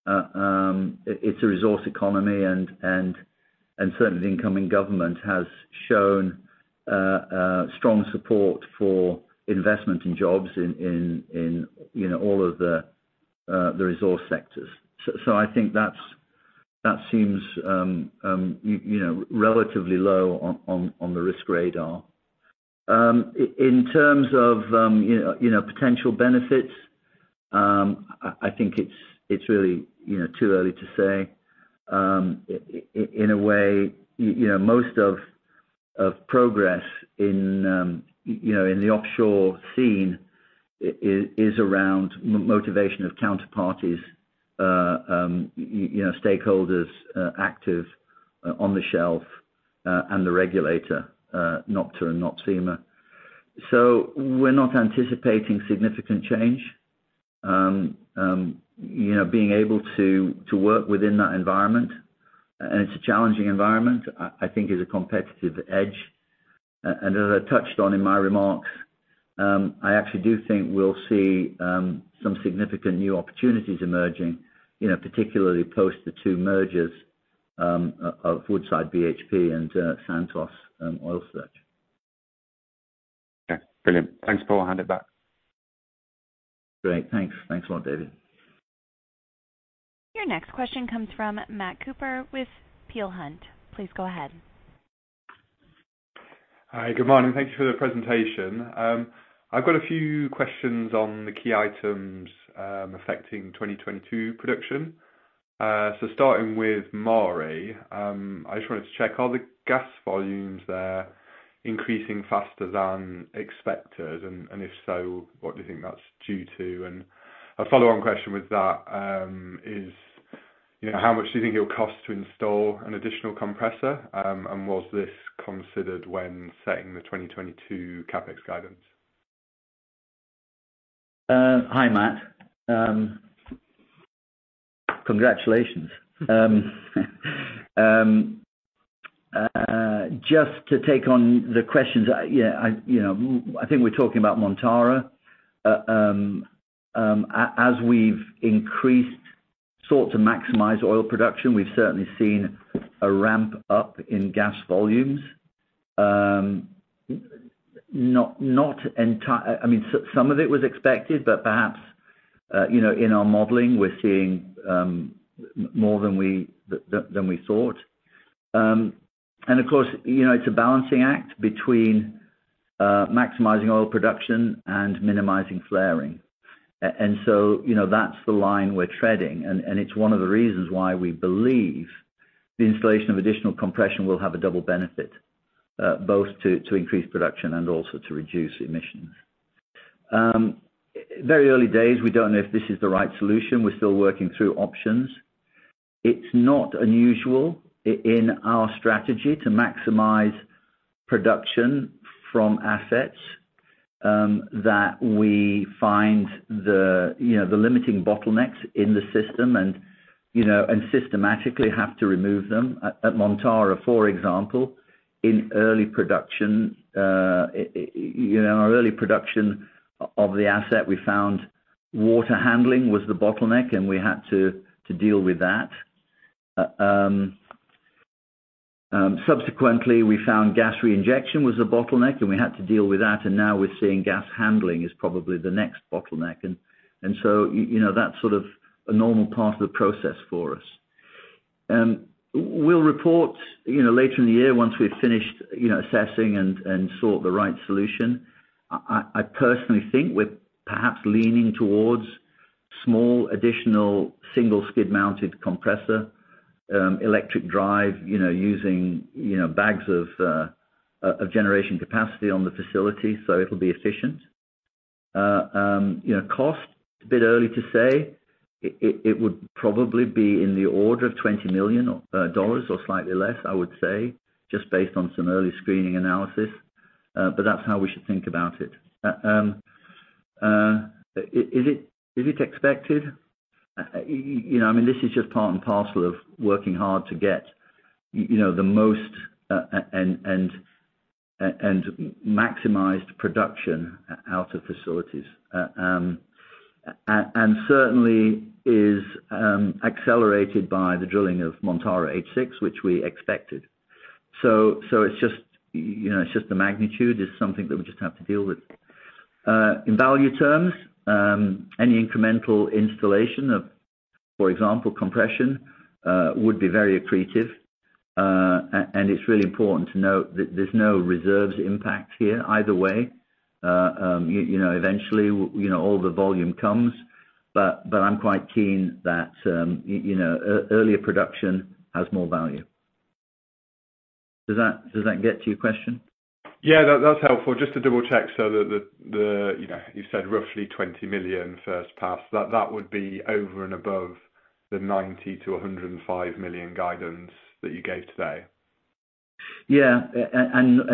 B: It's a resource economy and certainly the incoming government has shown strong support for investment in jobs in, you know, all of the resource sectors. I think that seems, you know, relatively low on the risk radar. In terms of, you know, potential benefits, I think it's really, you know, too early to say. In a way, you know, most of progress in the offshore scene is around motivation of counterparties, you know, stakeholders active on the shelf, and the regulator, NOPSEMA. We're not anticipating significant change. You know, being able to work within that environment, and it's a challenging environment, I think is a competitive edge. As I touched on in my remarks, I actually do think we'll see some significant new opportunities emerging, you know, particularly post the two mergers of Woodside BHP and Santos and Oil Search.
E: Okay. Brilliant. Thanks, Paul. I'll hand it back.
B: Great. Thanks. Thanks a lot, David.
A: Your next question comes from Matt Cooper with Peel Hunt. Please go ahead.
F: Hi. Good morning. Thank you for the presentation. I've got a few questions on the key items affecting 2022 production. Starting with Maari, I just wanted to check, are the gas volumes there increasing faster than expected? And if so, what do you think that's due to? And a follow-on question with that is, you know, how much do you think it will cost to install an additional compressor? And was this considered when setting the 2022 CapEx guidance?
B: Hi, Matt. Congratulations. Just to take on the questions. Yeah, you know, I think we're talking about Montara. As we've sought to maximize oil production, we've certainly seen a ramp up in gas volumes. I mean, so some of it was expected, but perhaps, you know, in our modeling, we're seeing more than we thought. Of course, you know, it's a balancing act between maximizing oil production and minimizing flaring. So, you know, that's the line we're treading. It's one of the reasons why we believe the installation of additional compression will have a double benefit, both to increase production and also to reduce emissions. Very early days, we don't know if this is the right solution. We're still working through options. It's not unusual in our strategy to maximize production from assets, you know, the limiting bottlenecks in the system and, you know, systematically have to remove them. At Montara, for example, in early production, you know, our early production of the asset, we found water handling was the bottleneck, and we had to deal with that. Subsequently, we found gas reinjection was the bottleneck, and we had to deal with that. So, you know, that's sort of a normal part of the process for us. We'll report, you know, later in the year once we've finished, you know, assessing and sort the right solution. I personally think we're perhaps leaning towards small, additional, single skid-mounted compressor, electric drive, you know, using, you know, bags of generation capacity on the facility, so it'll be efficient. You know, cost, a bit early to say. It would probably be in the order of $20 million or slightly less, I would say, just based on some early screening analysis. That's how we should think about it. Is it expected? You know, I mean, this is just part and parcel of working hard to get, you know, the most and maximized production out of facilities. Certainly is accelerated by the drilling of Montara H6, which we expected. It's just you know, it's just the magnitude is something that we just have to deal with. In value terms, any incremental installation of, for example, compression, would be very accretive. And it's really important to note that there's no reserves impact here either way. You know, eventually you know, all the volume comes. But I'm quite keen that, you know, earlier production has more value. Does that get to your question?
F: Yeah, that's helpful. Just to double-check, so the, you know, you said roughly $20 million first pass. That would be over and above the $90 million-$105 million guidance that you gave today?
B: Yeah.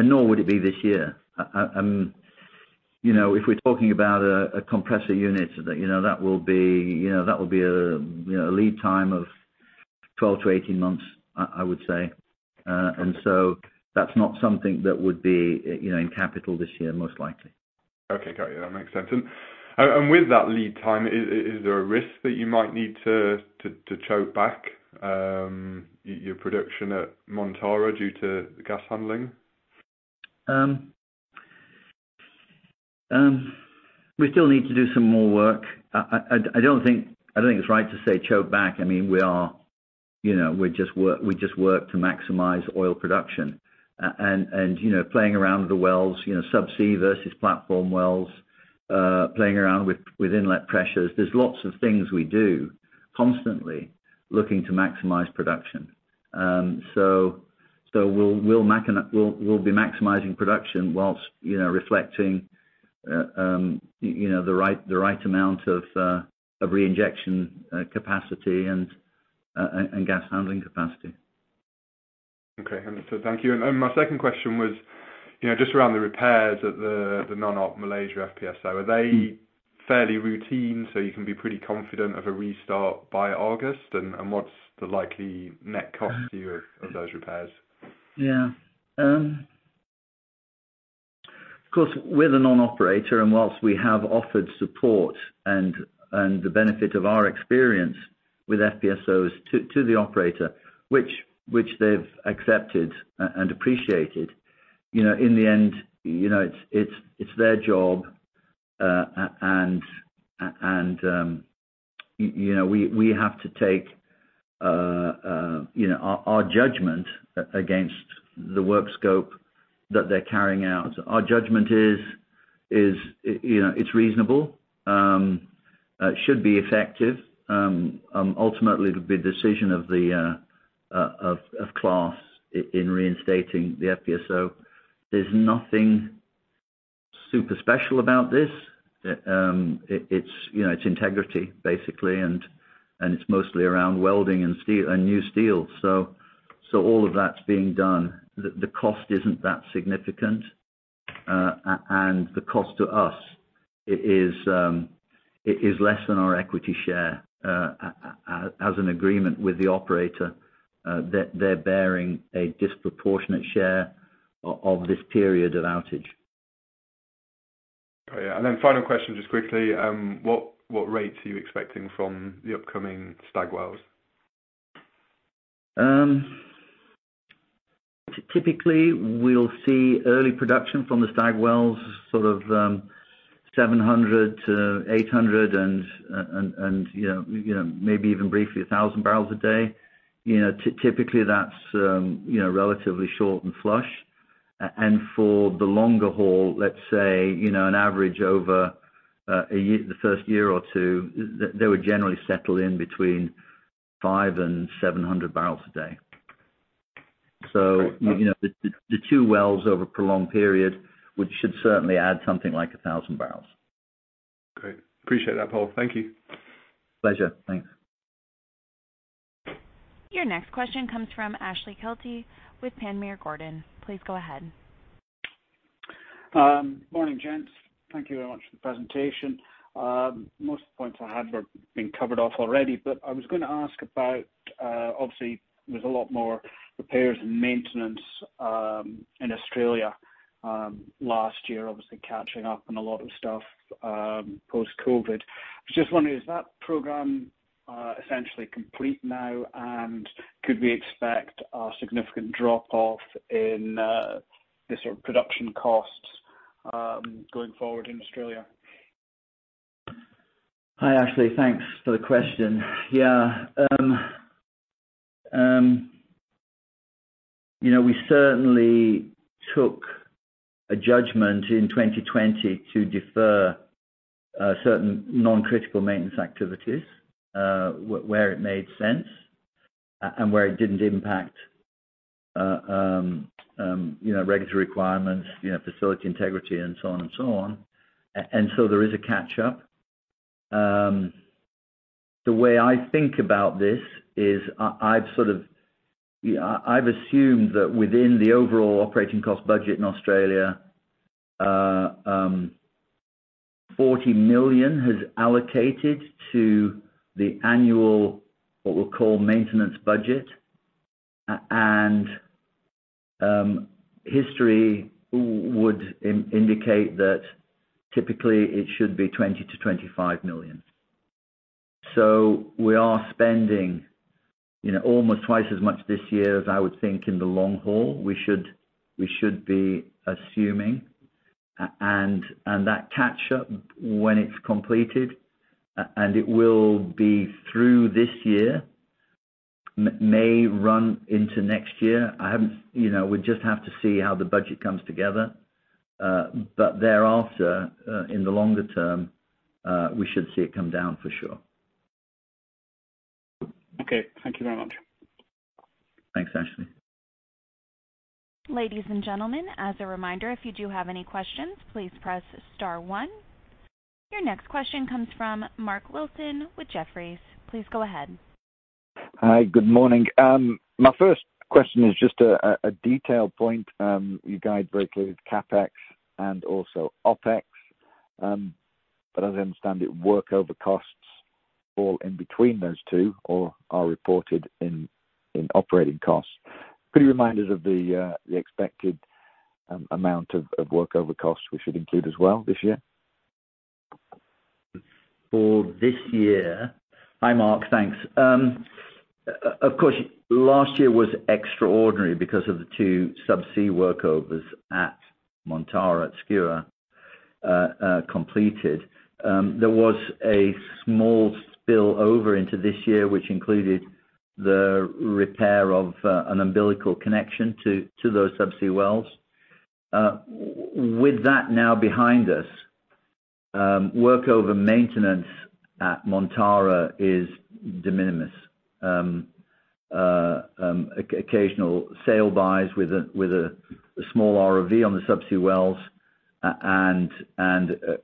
B: Nor would it be this year. You know, if we're talking about a compressor unit that will be a lead time of 12-18 months, I would say. That's not something that would be, you know, in capital this year, most likely.
F: Okay, got you. That makes sense. With that lead time, is there a risk that you might need to choke back your production at Montara due to gas handling?
B: We still need to do some more work. I don't think it's right to say choke back. I mean, you know, we just work to maximize oil production. You know, playing around with the wells, you know, subsea versus platform wells, playing around with inlet pressures. There's lots of things we do constantly looking to maximize production. We'll be maximizing production whilst, you know, reflecting, you know, the right amount of reinjection capacity and gas handling capacity.
F: Okay. Thank you. My second question was, you know, just around the repairs at the non-op Malaysia FPSO. Are they fairly routine, so you can be pretty confident of a restart by August? What's the likely net cost to you of those repairs?
B: Yeah. Of course, we're the non-operator, and while we have offered support and the benefit of our experience with FPSOs to the operator, which they've accepted and appreciated. You know, in the end, you know, it's their job. You know, we have to take you know, our judgment against the work scope that they're carrying out. Our judgment is you know, it's reasonable. It should be effective. Ultimately, it'll be the decision of the class in reinstating the FPSO. There's nothing super special about this. It's you know, it's integrity basically, and it's mostly around welding and steel, a new steel. All of that's being done. The cost isn't that significant. The cost to us is less than our equity share. As an agreement with the operator, they're bearing a disproportionate share of this period of outage.
F: Oh, yeah. Final question, just quickly. What rates are you expecting from the upcoming Stag wells?
B: Typically, we'll see early production from the Stag wells, sort of, 700-800 and you know, maybe even briefly 1,000 bbl a day. You know, typically, that's you know, relatively short and flush. For the longer haul, let's say, you know, an average over a year, the first year or two, they would generally settle in between 500-700 bbl a day.
F: Great.
B: You know, the two wells over a prolonged period, which should certainly add something like 1,000 bbl.
F: Great. Appreciate that, Paul. Thank you.
B: Pleasure. Thanks.
A: Your next question comes from Ashley Kelty with Panmure Gordon. Please go ahead.
G: Morning, gents. Thank you very much for the presentation. Most of the points I had were being covered off already, but I was gonna ask about, obviously, there's a lot more repairs and maintenance in Australia last year, obviously catching up on a lot of stuff post-COVID. Just wondering, is that program essentially complete now? Could we expect a significant drop-off in the sort of production costs going forward in Australia?
B: Hi, Ashley. Thanks for the question. Yeah. You know, we certainly took a judgment in 2020 to defer certain non-critical maintenance activities where it made sense and where it didn't impact you know, regulatory requirements, you know, facility integrity, and so on and so on. There is a catch-up. The way I think about this is I've sort of assumed that within the overall operating cost budget in Australia, $40 million has allocated to the annual, what we'll call maintenance budget, and history would indicate that typically it should be $20 million-$25 million. We are spending, you know, almost twice as much this year as I would think in the long haul. We should be assuming and that catch up when it's completed, and it will be through this year. May run into next year. I haven't, you know, we just have to see how the budget comes together. Thereafter, in the longer term, we should see it come down for sure.
G: Okay. Thank you very much.
B: Thanks, Ashley.
A: Ladies and gentlemen, as a reminder, if you do have any questions, please press star one. Your next question comes from Mark Wilson with Jefferies. Please go ahead.
H: Hi, good morning. My first question is just a detailed point. You guide very clear CapEx and also OpEx, but as I understand it, work over costs fall in between those two or are reported in operating costs. Could you remind us of the expected amount of work over costs we should include as well this year?
B: For this year. Hi, Mark. Thanks. Of course, last year was extraordinary because of the two subsea workovers at Montara, at Skua, completed. There was a small spillover into this year, which included the repair of an umbilical connection to those subsea wells. With that now behind us, workover maintenance at Montara is de minimis. Occasional sail-bys with a small ROV on the subsea wells and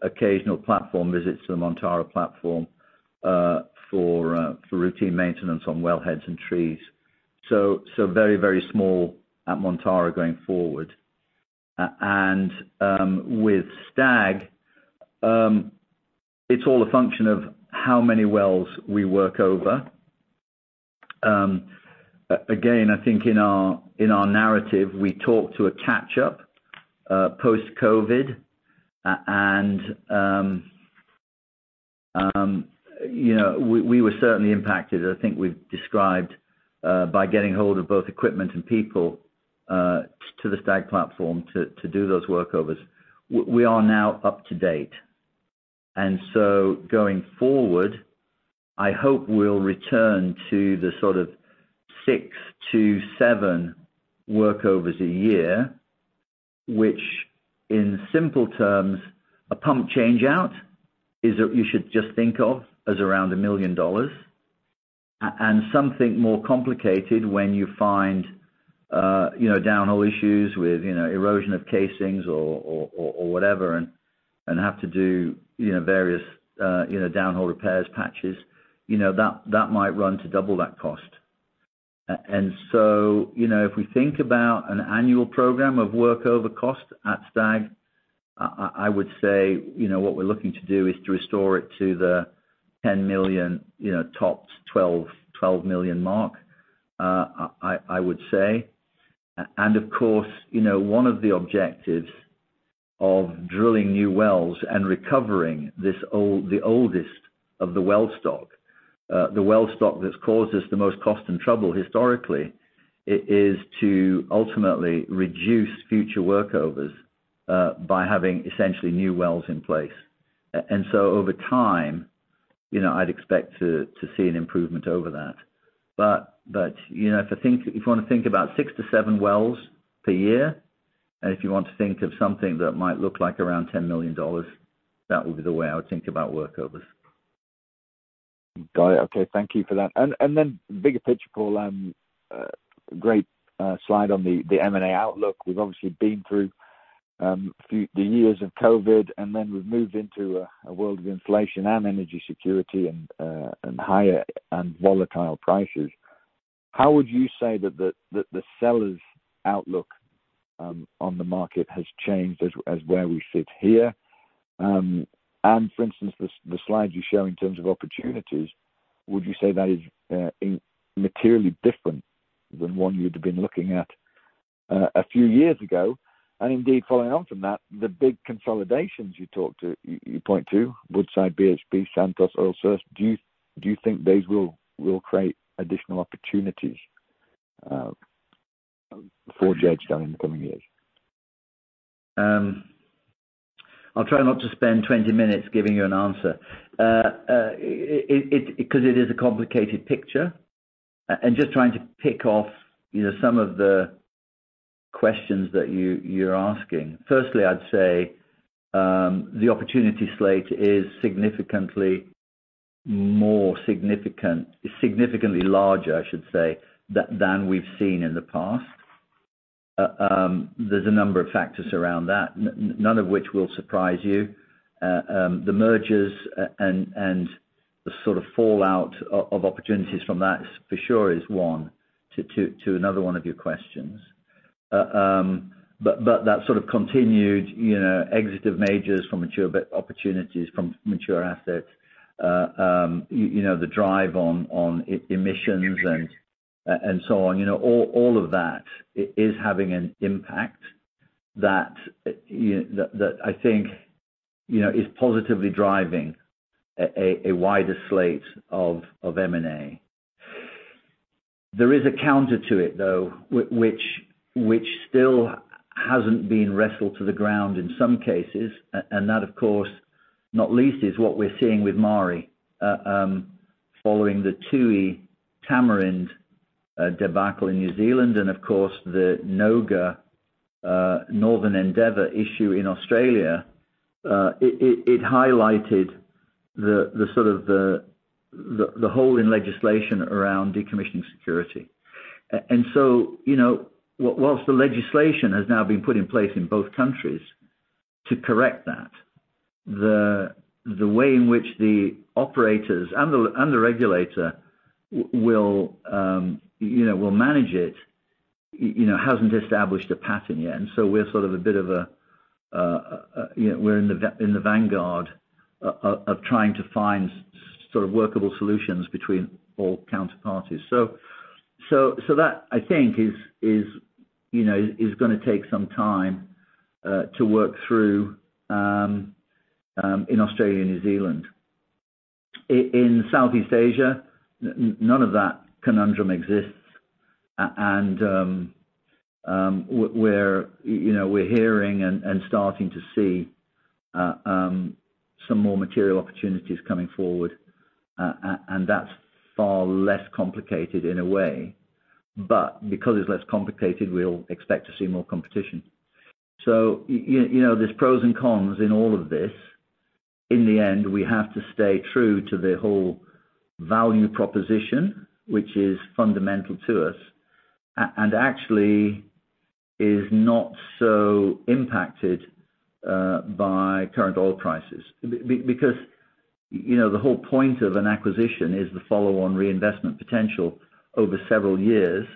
B: occasional platform visits to the Montara platform for routine maintenance on wellheads and trees. Very small at Montara going forward. With Stag, it's all a function of how many wells we work over. Again, I think in our narrative, we talk to a catch up post-COVID. You know, we were certainly impacted. I think we've described by getting hold of both equipment and people to the Stag platform to do those workovers. We are now up to date. Going forward, I hope we'll return to the sort of 6-7 workovers a year, which in simple terms, a pump change out is—you should just think of as around $1 million. Something more complicated when you find you know downhole issues with you know erosion of casings or whatever and have to do you know various downhole repairs, patches you know that might run to double that cost. You know, if we think about an annual program of work over cost at Stag, I would say, you know, what we're looking to do is to restore it to the $10 million, you know, tops $12 million mark, I would say. Of course, you know, one of the objectives of drilling new wells and recovering the oldest of the well stock, the well stock that's caused us the most cost and trouble historically, is to ultimately reduce future workovers, by having essentially new wells in place. Over time, you know, I'd expect to see an improvement over that. You know, if you wanna think about 6-7 wells per year, and if you want to think of something that might look like around $10 million, that would be the way I would think about workovers.
H: Got it. Okay. Thank you for that. Bigger picture, Paul, great slide on the M&A outlook. We've obviously been through the years of COVID, and then we've moved into a world of inflation and energy security and higher and volatile prices. How would you say that the seller's outlook on the market has changed as where we sit here? For instance, the slides you show in terms of opportunities, would you say that is materially different than one you'd have been looking at a few years ago? Indeed, following on from that, the big consolidations you point to, Woodside, BHP, Santos, Oil Search, do you think those will create additional opportunities for Jadestone down in the coming years?
B: I'll try not to spend 20 minutes giving you an answer. 'Cause it is a complicated picture. Just trying to pick off, you know, some of the questions that you're asking. Firstly, I'd say, the opportunity slate is significantly more significant. Significantly larger, I should say, than we've seen in the past. There's a number of factors around that, none of which will surprise you. The mergers and the sort of fallout of opportunities from that, for sure is one to another one of your questions. That sort of continued, you know, exit of majors from mature opportunities from mature assets, you know, the drive on emissions and so on, you know, all of that is having an impact. That I think, you know, is positively driving a wider slate of M&A. There is a counter to it though, which still hasn't been wrestled to the ground in some cases. That of course, not least, is what we're seeing with Maari following the Tui Tamarind debacle in New Zealand, and of course, the NOGA Northern Endeavour issue in Australia. It highlighted the sort of hole in legislation around decommissioning security. While the legislation has now been put in place in both countries to correct that, the way in which the operators and the regulator will, you know, manage it, you know, hasn't established a pattern yet. We're in the vanguard of trying to find sort of workable solutions between all counterparties. That, I think, is you know gonna take some time to work through in Australia and New Zealand. In Southeast Asia, none of that conundrum exists. Where, you know, we're hearing and starting to see some more material opportunities coming forward. That's far less complicated in a way. Because it's less complicated, we'll expect to see more competition. You know, there's pros and cons in all of this. In the end, we have to stay true to the whole value proposition, which is fundamental to us, and actually is not so impacted by current oil prices. Because, you know, the whole point of an acquisition is the follow-on reinvestment potential over several years.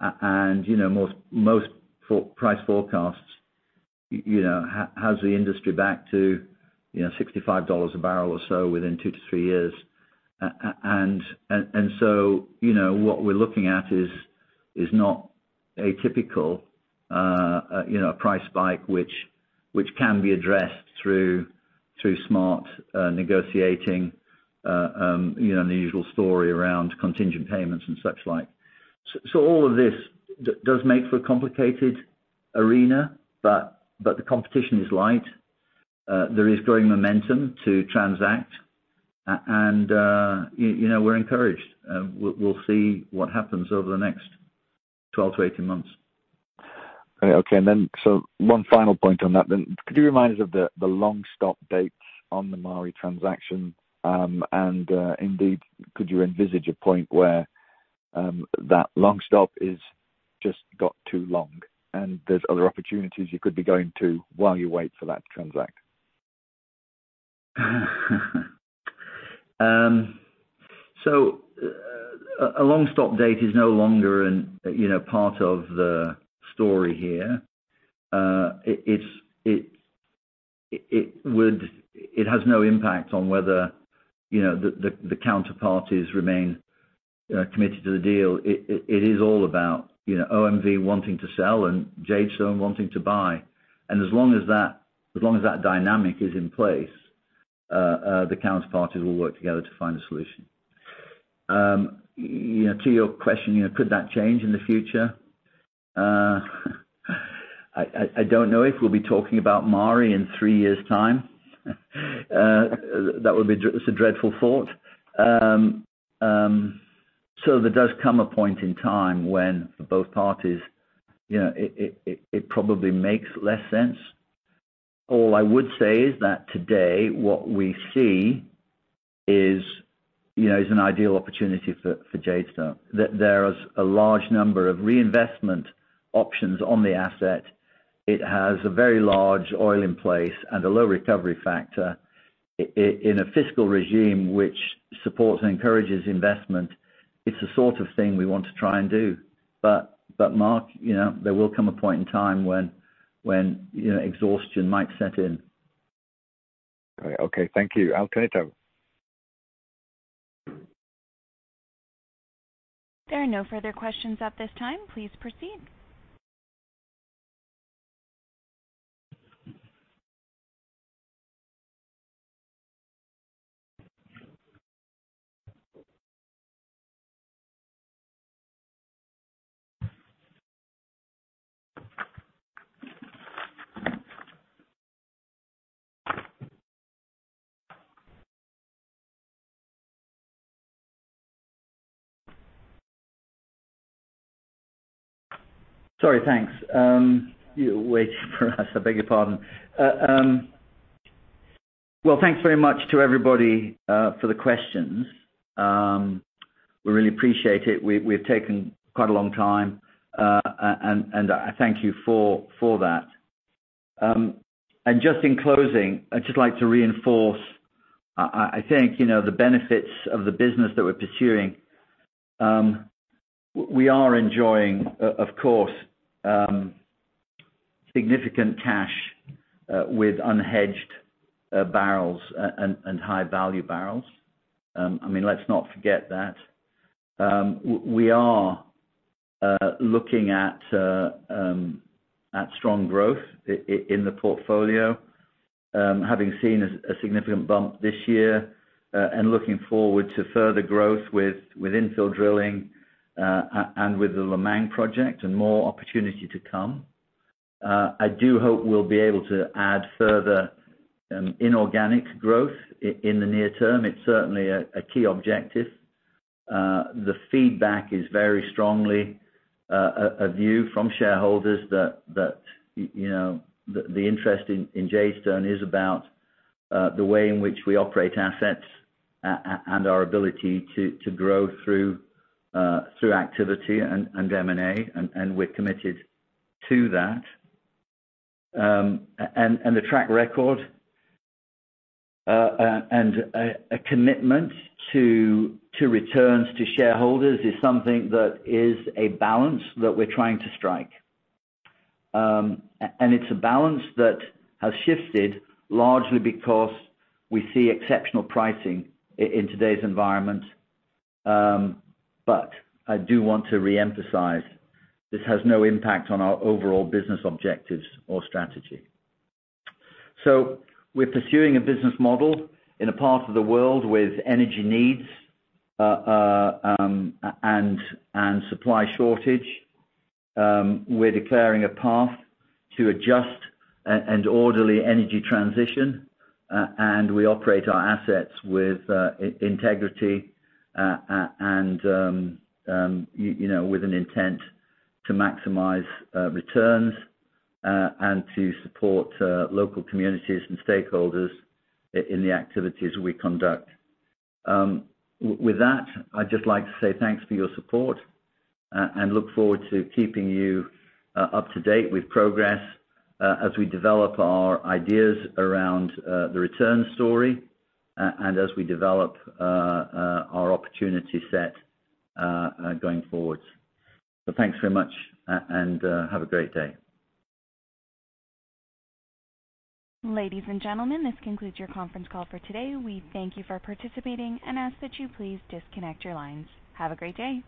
B: And, you know, most price forecasts, you know, has the industry back to, you know, $65 a barrel or so within 2-3 years. And so, you know, what we're looking at is not a typical price spike, which can be addressed through smart negotiating, you know, the usual story around contingent payments and such like. All of this does make for a complicated arena, but the competition is light. There is growing momentum to transact. You know, we're encouraged. We'll see what happens over the next 12-18 months.
H: One final point on that. Could you remind us of the long stop dates on the Maari transaction? Indeed, could you envisage a point where that long stop is just got too long and there's other opportunities you could be going to while you wait for that to transact?
B: A long stop date is no longer a, you know, part of the story here. It's. It has no impact on whether, you know, the counterparties remain committed to the deal. It is all about, you know, OMV wanting to sell and Jadestone wanting to buy. As long as that dynamic is in place, the counterparties will work together to find a solution. You know, to your question, you know, could that change in the future? I don't know if we'll be talking about Maari in three years' time. That would be such a dreadful thought. There does come a point in time when both parties, you know, it probably makes less sense. All I would say is that today, what we see is, you know, is an ideal opportunity for Jadestone. That there is a large number of reinvestment options on the asset. It has a very large oil in place and a low recovery factor in a fiscal regime which supports and encourages investment. It's the sort of thing we want to try and do. Mark, you know, there will come a point in time when, you know, exhaustion might set in.
H: All right. Okay. Thank you. I'll turn it over.
A: There are no further questions at this time. Please proceed.
B: Sorry. Thanks. You wait for us. I beg your pardon. Well, thanks very much to everybody for the questions. We really appreciate it. We've taken quite a long time, and I thank you for that. Just in closing, I'd just like to reinforce. I think, you know, the benefits of the business that we're pursuing. We are enjoying of course significant cash with unhedged barrels and high-value barrels. I mean, let's not forget that. We are looking at strong growth in the portfolio, having seen a significant bump this year, and looking forward to further growth with infill drilling and with the Lemang project and more opportunity to come. I do hope we'll be able to add further inorganic growth in the near term. It's certainly a key objective. The feedback is very strongly a view from shareholders that you know the interest in Jadestone is about the way in which we operate assets and our ability to grow through activity and M&A, and we're committed to that. The track record and a commitment to returns to shareholders is something that is a balance that we're trying to strike. It's a balance that has shifted largely because we see exceptional pricing in today's environment. I do want to reemphasize this has no impact on our overall business objectives or strategy. We're pursuing a business model in a part of the world with energy needs and supply shortage. We're declaring a path to a just and orderly energy transition. We operate our assets with integrity and, you know, with an intent to maximize returns and to support local communities and stakeholders in the activities we conduct. With that, I'd just like to say thanks for your support and look forward to keeping you up to date with progress as we develop our ideas around the return story and as we develop our opportunity set going forward. Thanks very much and have a great day.
A: Ladies and gentlemen, this concludes your conference call for today. We thank you for participating and ask that you please disconnect your lines. Have a great day.